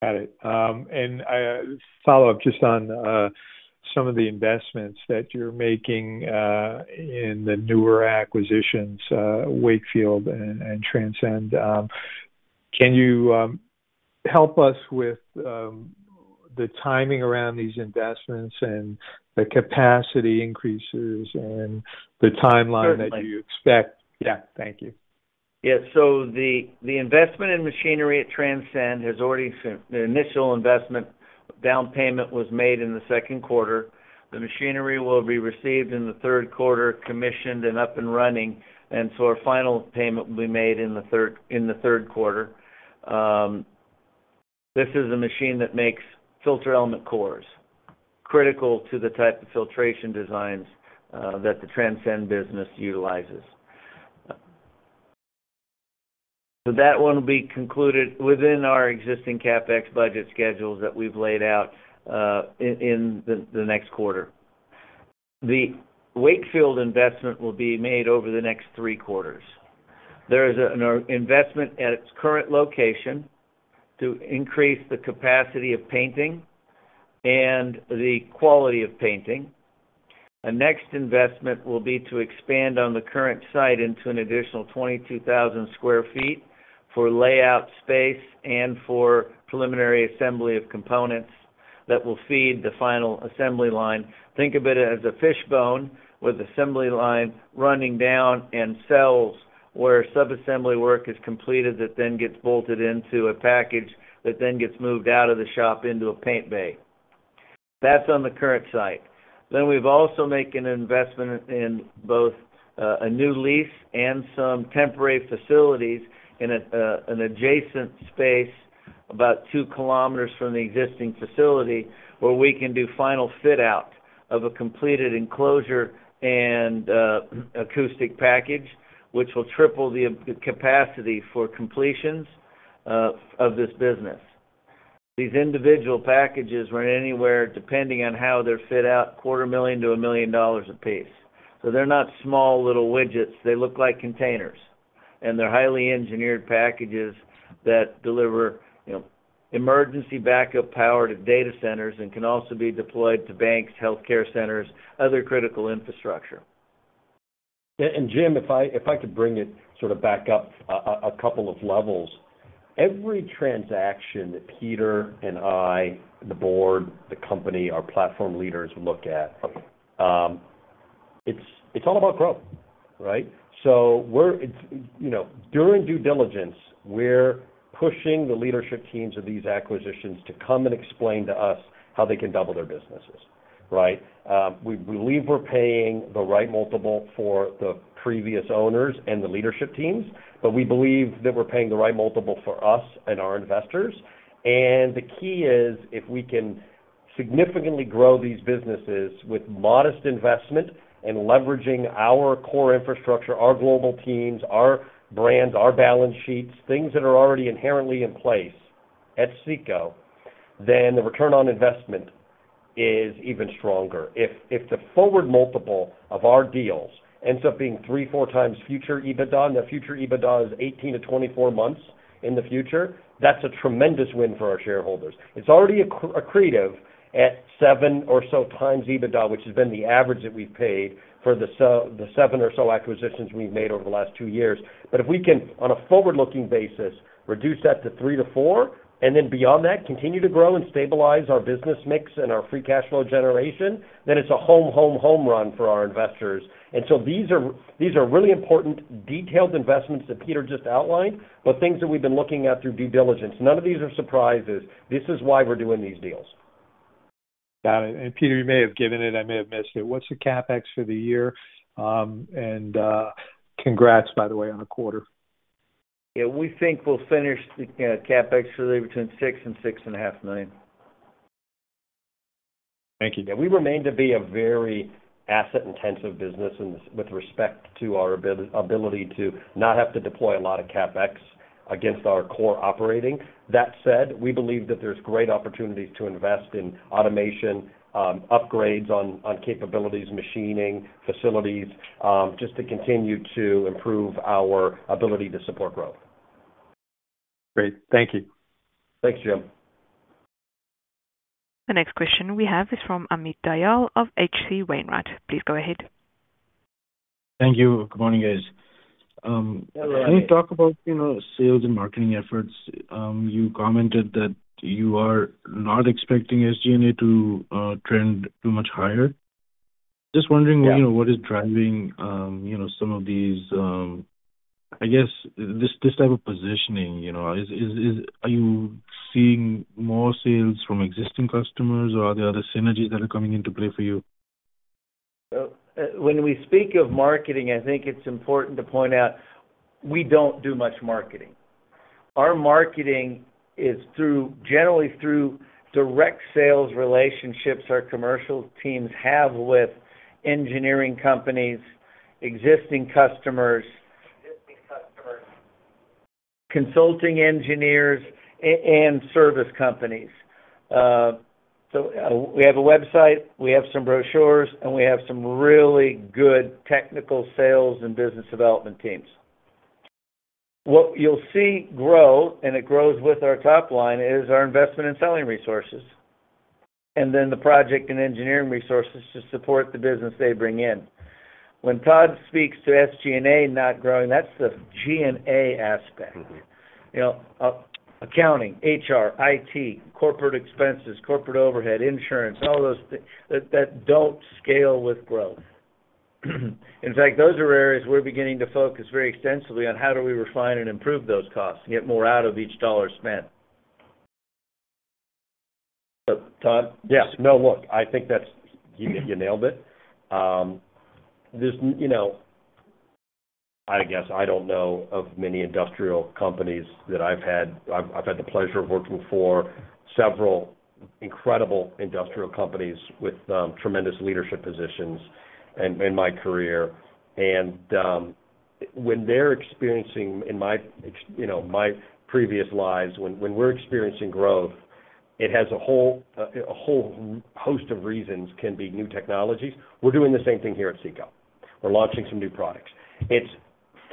Got it. I, follow up just on, some of the investments that you're making, in the newer acquisitions, Wakefield and, and Transcend. Can you, help us with, the timing around these investments and the capacity increases and the timeline- Certainly. That you expect? Yeah. Thank you. Yeah. The, the investment in machinery at Transcend has already been-- The initial investment down payment was made in the second quarter. The machinery will be received in the third quarter, commissioned and up and running, our final payment will be made in the third, in the third quarter. This is a machine that makes filter element cores, critical to the type of filtration designs that the Transcend business utilizes. That one will be concluded within our existing CapEx budget schedules that we've laid out in, in the, the next quarter. The Wakefield investment will be made over the next three quarters. There is an investment at its current location to increase the capacity of painting and the quality of painting. The next investment will be to expand on the current site into an additional 22,000 sq ft for layout space and for preliminary assembly of components that will feed the final assembly line. Think of it as a fishbone with assembly line running down and cells, where sub-assembly work is completed, that gets bolted into a package that then gets moved out of the shop into a paint bay. That's on the current site. We've also making an investment in both a new lease and some temporary facilities in an adjacent space about 2 km from the existing facility, where we can do final fit out of a completed enclosure and acoustic package, which will triple the capacity for completions of this business. These individual packages run anywhere, depending on how they're fit out, $250,000-$1 million a piece. They're not small little widgets. They look like containers, and they're highly engineered packages that deliver, you know, emergency backup power to data centers and can also be deployed to banks, healthcare centers, other critical infrastructure. Jim, if I, if I could bring it sort of back up a couple of levels. Every transaction that Peter and I, the board, the company, our platform leaders look at, it's, it's all about growth, right? We're, it's, you know, during due diligence, we're pushing the leadership teams of these acquisitions to come and explain to us how they can double their businesses, right? We believe we're paying the right multiple for the previous owners and the leadership teams, but we believe that we're paying the right multiple for us and our investors. The key is, if we can significantly grow these businesses with modest investment and leveraging our core infrastructure, our global teams, our brands, our balance sheets, things that are already inherently in place at CECO, then the return on investment is even stronger. If, the forward multiple of our deals ends up being 3, 4 times future EBITDA, and the future EBITDA is 18-24 months in the future, that's a tremendous win for our shareholders. It's already accretive at 7 or so times EBITDA, which has been the average that we've paid for the 7 or so acquisitions we've made over the last 2 years. If we can, on a forward-looking basis, reduce that to 3-4, and then beyond that, continue to grow and stabilize our business mix and our free cash flow generation, then it's a home, home, home run for our investors. So these are, these are really important detailed investments that Peter just outlined, but things that we've been looking at through due diligence. None of these are surprises. This is why we're doing these deals. Got it. Peter, you may have given it, I may have missed it. What's the CapEx for the year? Congrats, by the way, on the quarter. Yeah, we think we'll finish the CapEx between $6 million and $6.5 million. Thank you. Yeah, we remain to be a very asset-intensive business in this with respect to our ability to not have to deploy a lot of CapEx against our core operating. That said, we believe that there's great opportunities to invest in automation, upgrades on, on capabilities, machining, facilities, just to continue to improve our ability to support growth. Great. Thank you. Thanks, Jim. The next question we have is from Amit Dayal of H.C. Wainwright. Please go ahead. Thank you. Good morning, guys. Hello. When you talk about, you know, sales and marketing efforts, you commented that you are not expecting SG&A to trend too much higher. Just wondering. Yeah You know, what is driving, you know, some of these, I guess this, this type of positioning, you know, Are you seeing more sales from existing customers, or are there other synergies that are coming into play for you? When we speak of marketing, I think it's important to point out, we don't do much marketing. Our marketing is through, generally through direct sales relationships our commercial teams have with engineering companies, existing customers, consulting engineers, and service companies. We have a website, we have some brochures, and we have some really good technical sales and business development teams. What you'll see grow, and it grows with our top line, is our investment in selling resources, and then the project and engineering resources to support the business they bring in. When Todd speaks to SG&A not growing, that's the G&A aspect. You know, accounting, HR, IT, corporate expenses, corporate overhead, insurance, all those that, that don't scale with growth. In fact, those are areas we're beginning to focus very extensively on how do we refine and improve those costs and get more out of each dollar spent. Todd? Yes. No, look, I think that's. You, you nailed it. There's, you know, I guess I don't know of many industrial companies that I've had - I've, I've had the pleasure of working for several incredible industrial companies with tremendous leadership positions in, in my career. When they're experiencing in my ex- you know, my previous lives, when, when we're experiencing growth, it has a whole, a whole host of reasons, can be new technologies. We're doing the same thing here at CECO. We're launching some new products. It's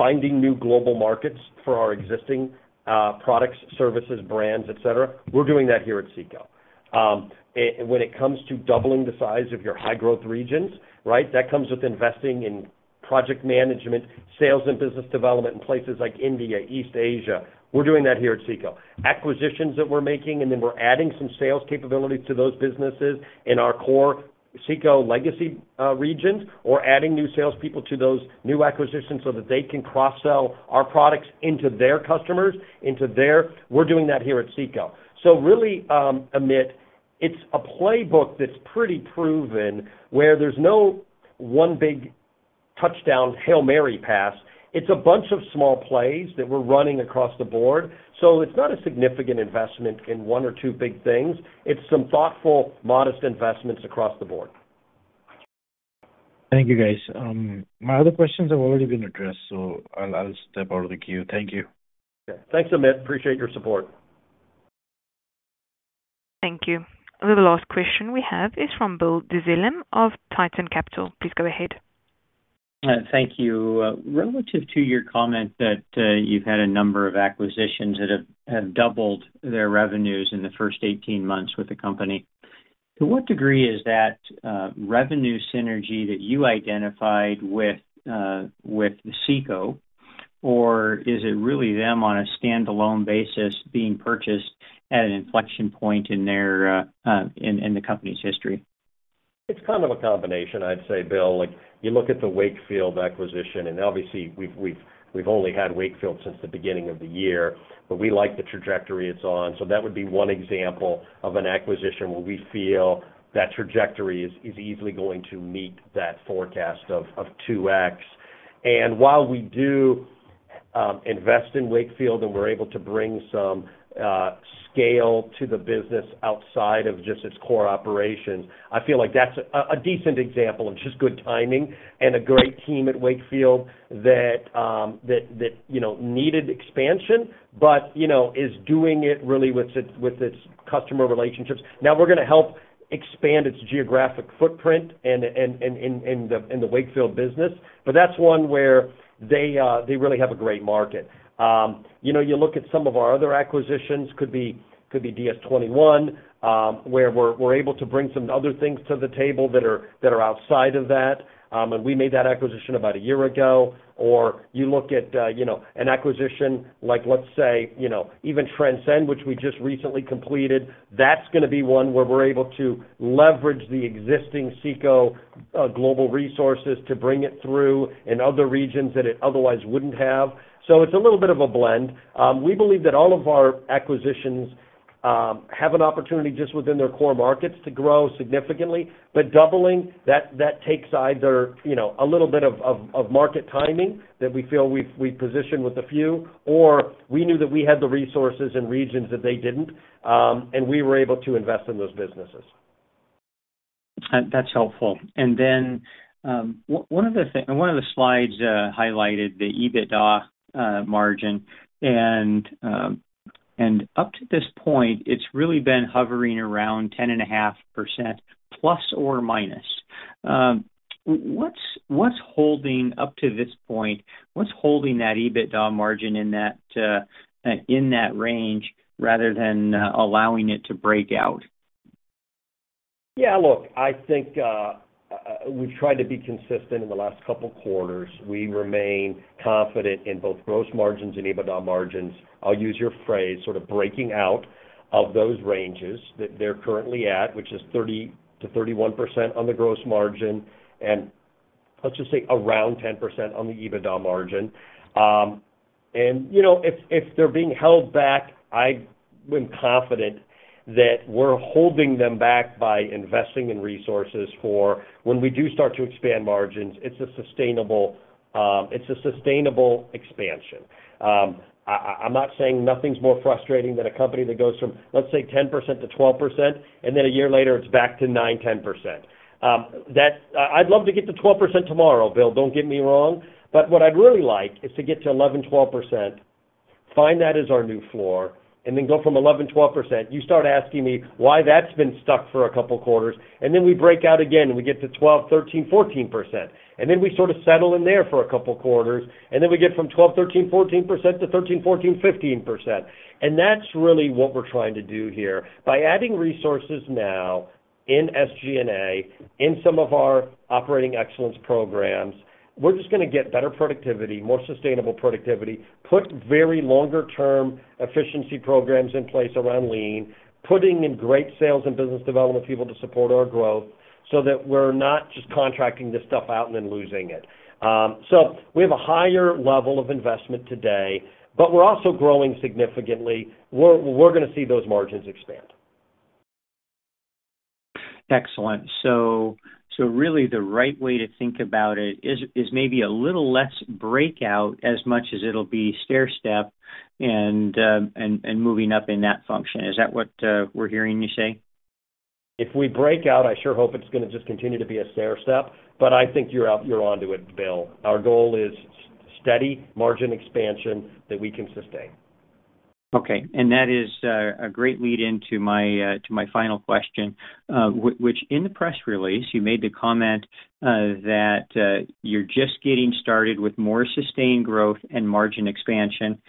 finding new global markets for our existing products, services, brands, et cetera. We're doing that here at CECO. When it comes to doubling the size of your high-growth regions, right? That comes with investing in project management, sales and business development in places like India, East Asia. We're doing that here at CECO. Acquisitions that we're making, we're adding some sales capability to those businesses in our core CECO legacy regions, or adding new salespeople to those new acquisitions so that they can cross-sell our products into their customers, into their. We're doing that here at CECO. Really, Amit, it's a playbook that's pretty proven, where there's no one big touchdown Hail Mary pass. It's a bunch of small plays that we're running across the board, so it's not a significant investment in one or two big things. It's some thoughtful, modest investments across the board. Thank you, guys. My other questions have already been addressed, so I'll, I'll step out of the queue. Thank you. Thanks, Amit. Appreciate your support. Thank you. The last question we have is from Bill Dizilim of Titan Capital. Please go ahead. Thank you. Relative to your comment that you've had a number of acquisitions that have, have doubled their revenues in the first 18 months with the company. To what degree is that revenue synergy that you identified with the CECO? Or is it really them on a standalone basis being purchased at an inflection point in their company's history? It's kind of a combination, I'd say, Bill. Like, you look at the Wakefield acquisition, and obviously, we've only had Wakefield since the beginning of the year, but we like the trajectory it's on. That would be one example of an acquisition where we feel that trajectory is, is easily going to meet that forecast of, of 2x. While we do invest in Wakefield, and we're able to bring some scale to the business outside of just its core operations, I feel like that's a, a decent example of just good timing and a great team at Wakefield that, that, you know, needed expansion, but, you know, is doing it really with its, with its customer relationships. Now, we're going to help expand its geographic footprint and in the Wakefield business, but that's one where they really have a great market. You know, you look at some of our other acquisitions, could be, could be DS-21, where we're able to bring some other things to the table that are, that are outside of that. We made that acquisition about one year ago. You look at, you know, an acquisition, like, let's say, you know, even Transcend, which we just recently completed, that's going to be one where we're able to leverage the existing CECO global resources to bring it through in other regions that it otherwise wouldn't have. It's a little bit of a blend. We believe that all of our acquisitions have an opportunity just within their core markets to grow significantly. Doubling, that takes either, you know, a little bit of, of, of market timing that we feel we've positioned with a few, or we knew that we had the resources and regions that they didn't, and we were able to invest in those businesses. That's helpful. Then, one, one of the and one of the slides highlighted the EBITDA margin, and up to this point, it's really been hovering around 10.5%, ±. What's, what's holding up to this point? What's holding that EBITDA margin in that in that range rather than allowing it to break out? Yeah, look, I think, we've tried to be consistent in the last couple quarters. We remain confident in both gross margins and EBITDA margins. I'll use your phrase, sort of breaking out of those ranges that they're currently at, which is 30%-31% on the gross margin, and let's just say, around 10% on the EBITDA margin. You know, if, if they're being held back, I am confident that we're holding them back by investing in resources for when we do start to expand margins, it's a sustainable, it's a sustainable expansion. I, I'm not saying nothing's more frustrating than a company that goes from, let's say, 10%-12%, and then a year later, it's back to 9%-10%. I'd love to get to 12% tomorrow, Bill, don't get me wrong, what I'd really like is to get to 11%-12%, find that as our new floor, and then go from 11%-12%. You start asking me why that's been stuck for a couple quarters, and then we break out again, and we get to 12%-13%-14%, and then we sort of settle in there for a couple quarters, and then we get from 12%-13%-14% to 13%-14%-15%. That's really what we're trying to do here. By adding resources now in SG&A, in some of our operating excellence programs, we're just going to get better productivity, more sustainable productivity, put very longer-term efficiency programs in place around lean, putting in great sales and business development people to support our growth, so that we're not just contracting this stuff out and then losing it. We have a higher level of investment today, but we're also growing significantly. We're, going to see those margins expand. Excellent. So really, the right way to think about it is, is maybe a little less breakout as much as it'll be stairstep and, and, and moving up in that function. Is that what we're hearing you say? If we break out, I sure hope it's going to just continue to be a stairstep, but I think you're onto it, Bill. Our goal is steady margin expansion that we can sustain. Okay. That is a great lead into my to my final question. Which in the press release, you made the comment that you're just getting started with more sustained growth and margin expansion.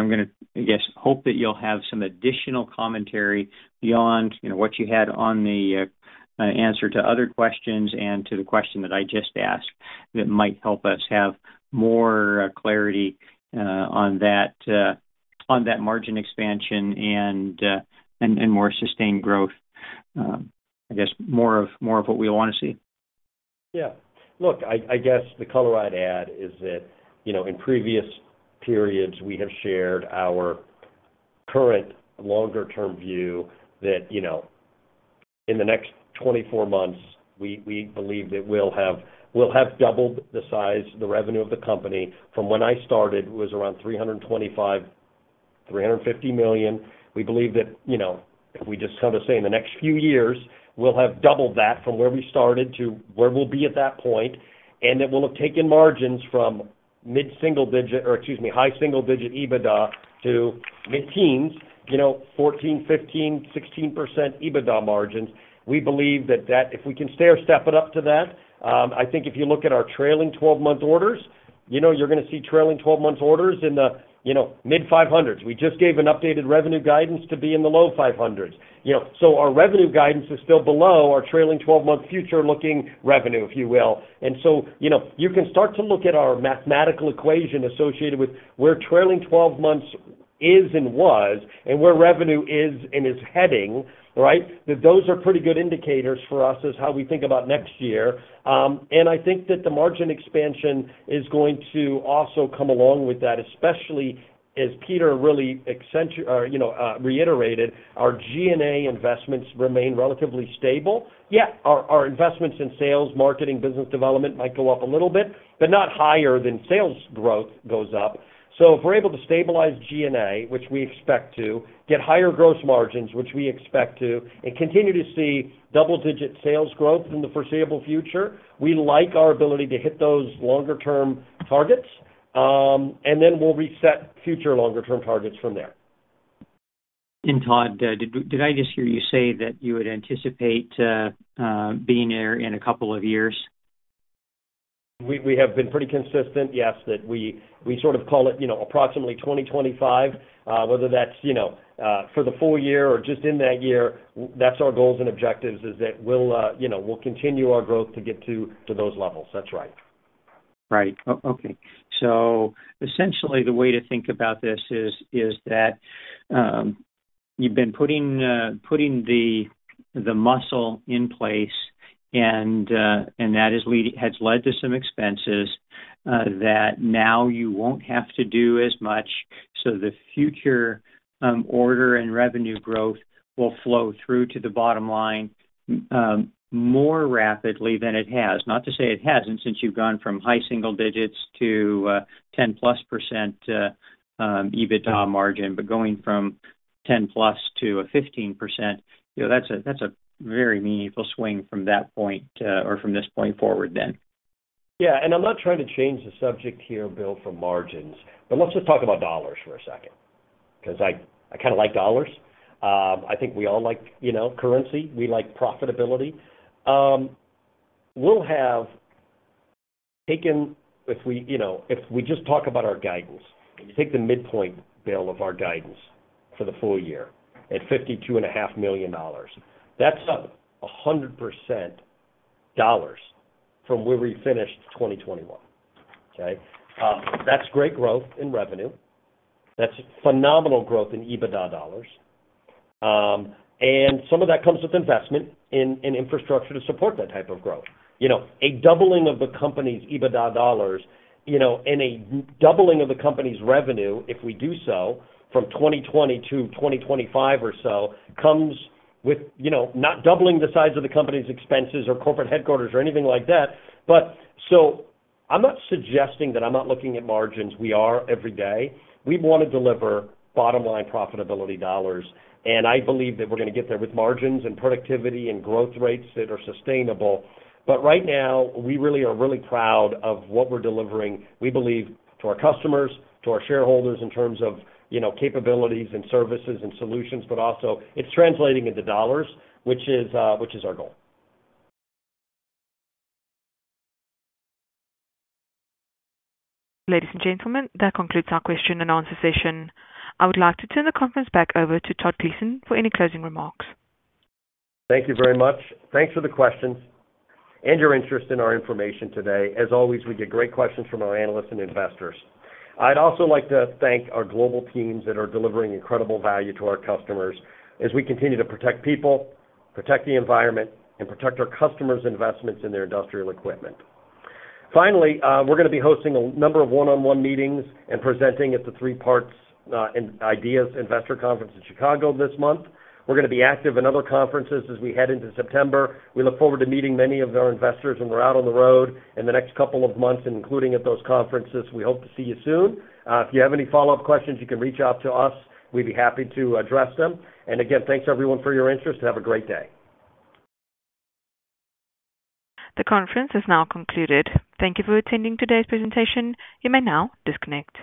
I'm going to, I guess, hope that you'll have some additional commentary beyond, you know, what you had on the answer to other questions and to the question that I just asked, that might help us have more clarity on that on that margin expansion and and more sustained growth. I guess more of, more of what we all want to see. Yeah. Look, I guess the color I'd add is that, you know, in previous periods, we have shared our current longer-term view that, you know, in the next 24 months, we, we believe that we'll have, we'll have doubled the size, the revenue of the company from when I started, it was around $325 million-$350 million. We believe that, you know, if we just kind of say in the next few years, we'll have doubled that from where we started to where we'll be at that point, and that we'll have taken margins from mid-single digit, or excuse me, high single digit EBITDA to mid-teens, you know, 14%, 15%, 16% EBITDA margins. We believe that if we can stairstep it up to that, I think if you look at our trailing 12-month orders. You know, you're going to see trailing twelve months orders in the, you know, mid-$500 million. We just gave an updated revenue guidance to be in the low $500 million, you know. Our revenue guidance is still below our trailing twelve-month future-looking revenue, if you will. You know, you can start to look at our mathematical equation associated with where trailing twelve months is and was, and where revenue is and is heading, right? Those are pretty good indicators for us as how we think about next year. And I think that the margin expansion is going to also come along with that, especially as Peter really reiterated, our G&A investments remain relatively stable. Yeah, our, our investments in sales, marketing, business development might go up a little bit, but not higher than sales growth goes up. If we're able to stabilize G&A, which we expect to, get higher gross margins, which we expect to, and continue to see double-digit sales growth in the foreseeable future, we like our ability to hit those longer-term targets. Then we'll reset future longer-term targets from there. Todd, did, did I just hear you say that you would anticipate, being there in a couple of years? We, have been pretty consistent, yes, that we, we sort of call it, you know, approximately 2025, whether that's, you know, for the full year or just in that year, that's our goals and objectives, is that we'll, you know, we'll continue our growth to get to, to those levels. That's right. Right. Okay. Essentially, the way to think about this is, is that you've been putting, putting the, the muscle in place, and that is leading-- has led to some expenses, that now you won't have to do as much, so the future order and revenue growth will flow through to the bottom line, more rapidly than it has. Not to say it hasn't, since you've gone from high single digits to 10 plus % EBITDA margin, but going from 10 plus to a 15%, you know, that's a, that's a very meaningful swing from that point, or from this point forward then. Yeah, I'm not trying to change the subject here, Bill, from margins, but let's just talk about dollars for a second, 'cause I, I kinda like dollars. I think we all like, you know, currency. We like profitability. We'll have taken, if we, you know, if we just talk about our guidance, if you take the midpoint, Bill, of our guidance for the full year at $52.5 million, that's up 100% dollars from where we finished 2021, okay? That's great growth in revenue. That's phenomenal growth in EBITDA dollars. Some of that comes with investment in infrastructure to support that type of growth. You know, a doubling of the company's EBITDA dollars, you know, and a doubling of the company's revenue, if we do so, from 2020-2025 or so, comes with, you know, not doubling the size of the company's expenses or corporate headquarters or anything like that. I'm not suggesting that I'm not looking at margins. We are, every day. We want to deliver bottom-line profitability dollars, and I believe that we're going to get there with margins and productivity and growth rates that are sustainable. Right now, we really are really proud of what we're delivering, we believe, to our customers, to our shareholders, in terms of, you know, capabilities and services and solutions, but also it's translating into dollars, which is our goal. Ladies and gentlemen, that concludes our question and answer session. I would like to turn the conference back over to Todd Gleason for any closing remarks. Thank you very much. Thanks for the questions and your interest in our information today. As always, we get great questions from our analysts and investors. I'd also like to thank our global teams that are delivering incredible value to our customers as we continue to protect people, protect the environment, and protect our customers' investments in their industrial equipment. Finally, we're going to be hosting a number of one-on-one meetings and presenting at the Three Part and Ideas Investor Conference in Chicago this month. We're going to be active in other conferences as we head into September. We look forward to meeting many of our investors when we're out on the road in the next couple of months, including at those conferences. We hope to see you soon. If you have any follow-up questions, you can reach out to us. We'd be happy to address them. Again, thanks, everyone, for your interest, and have a great day. The conference is now concluded. Thank you for attending today's presentation. You may now disconnect.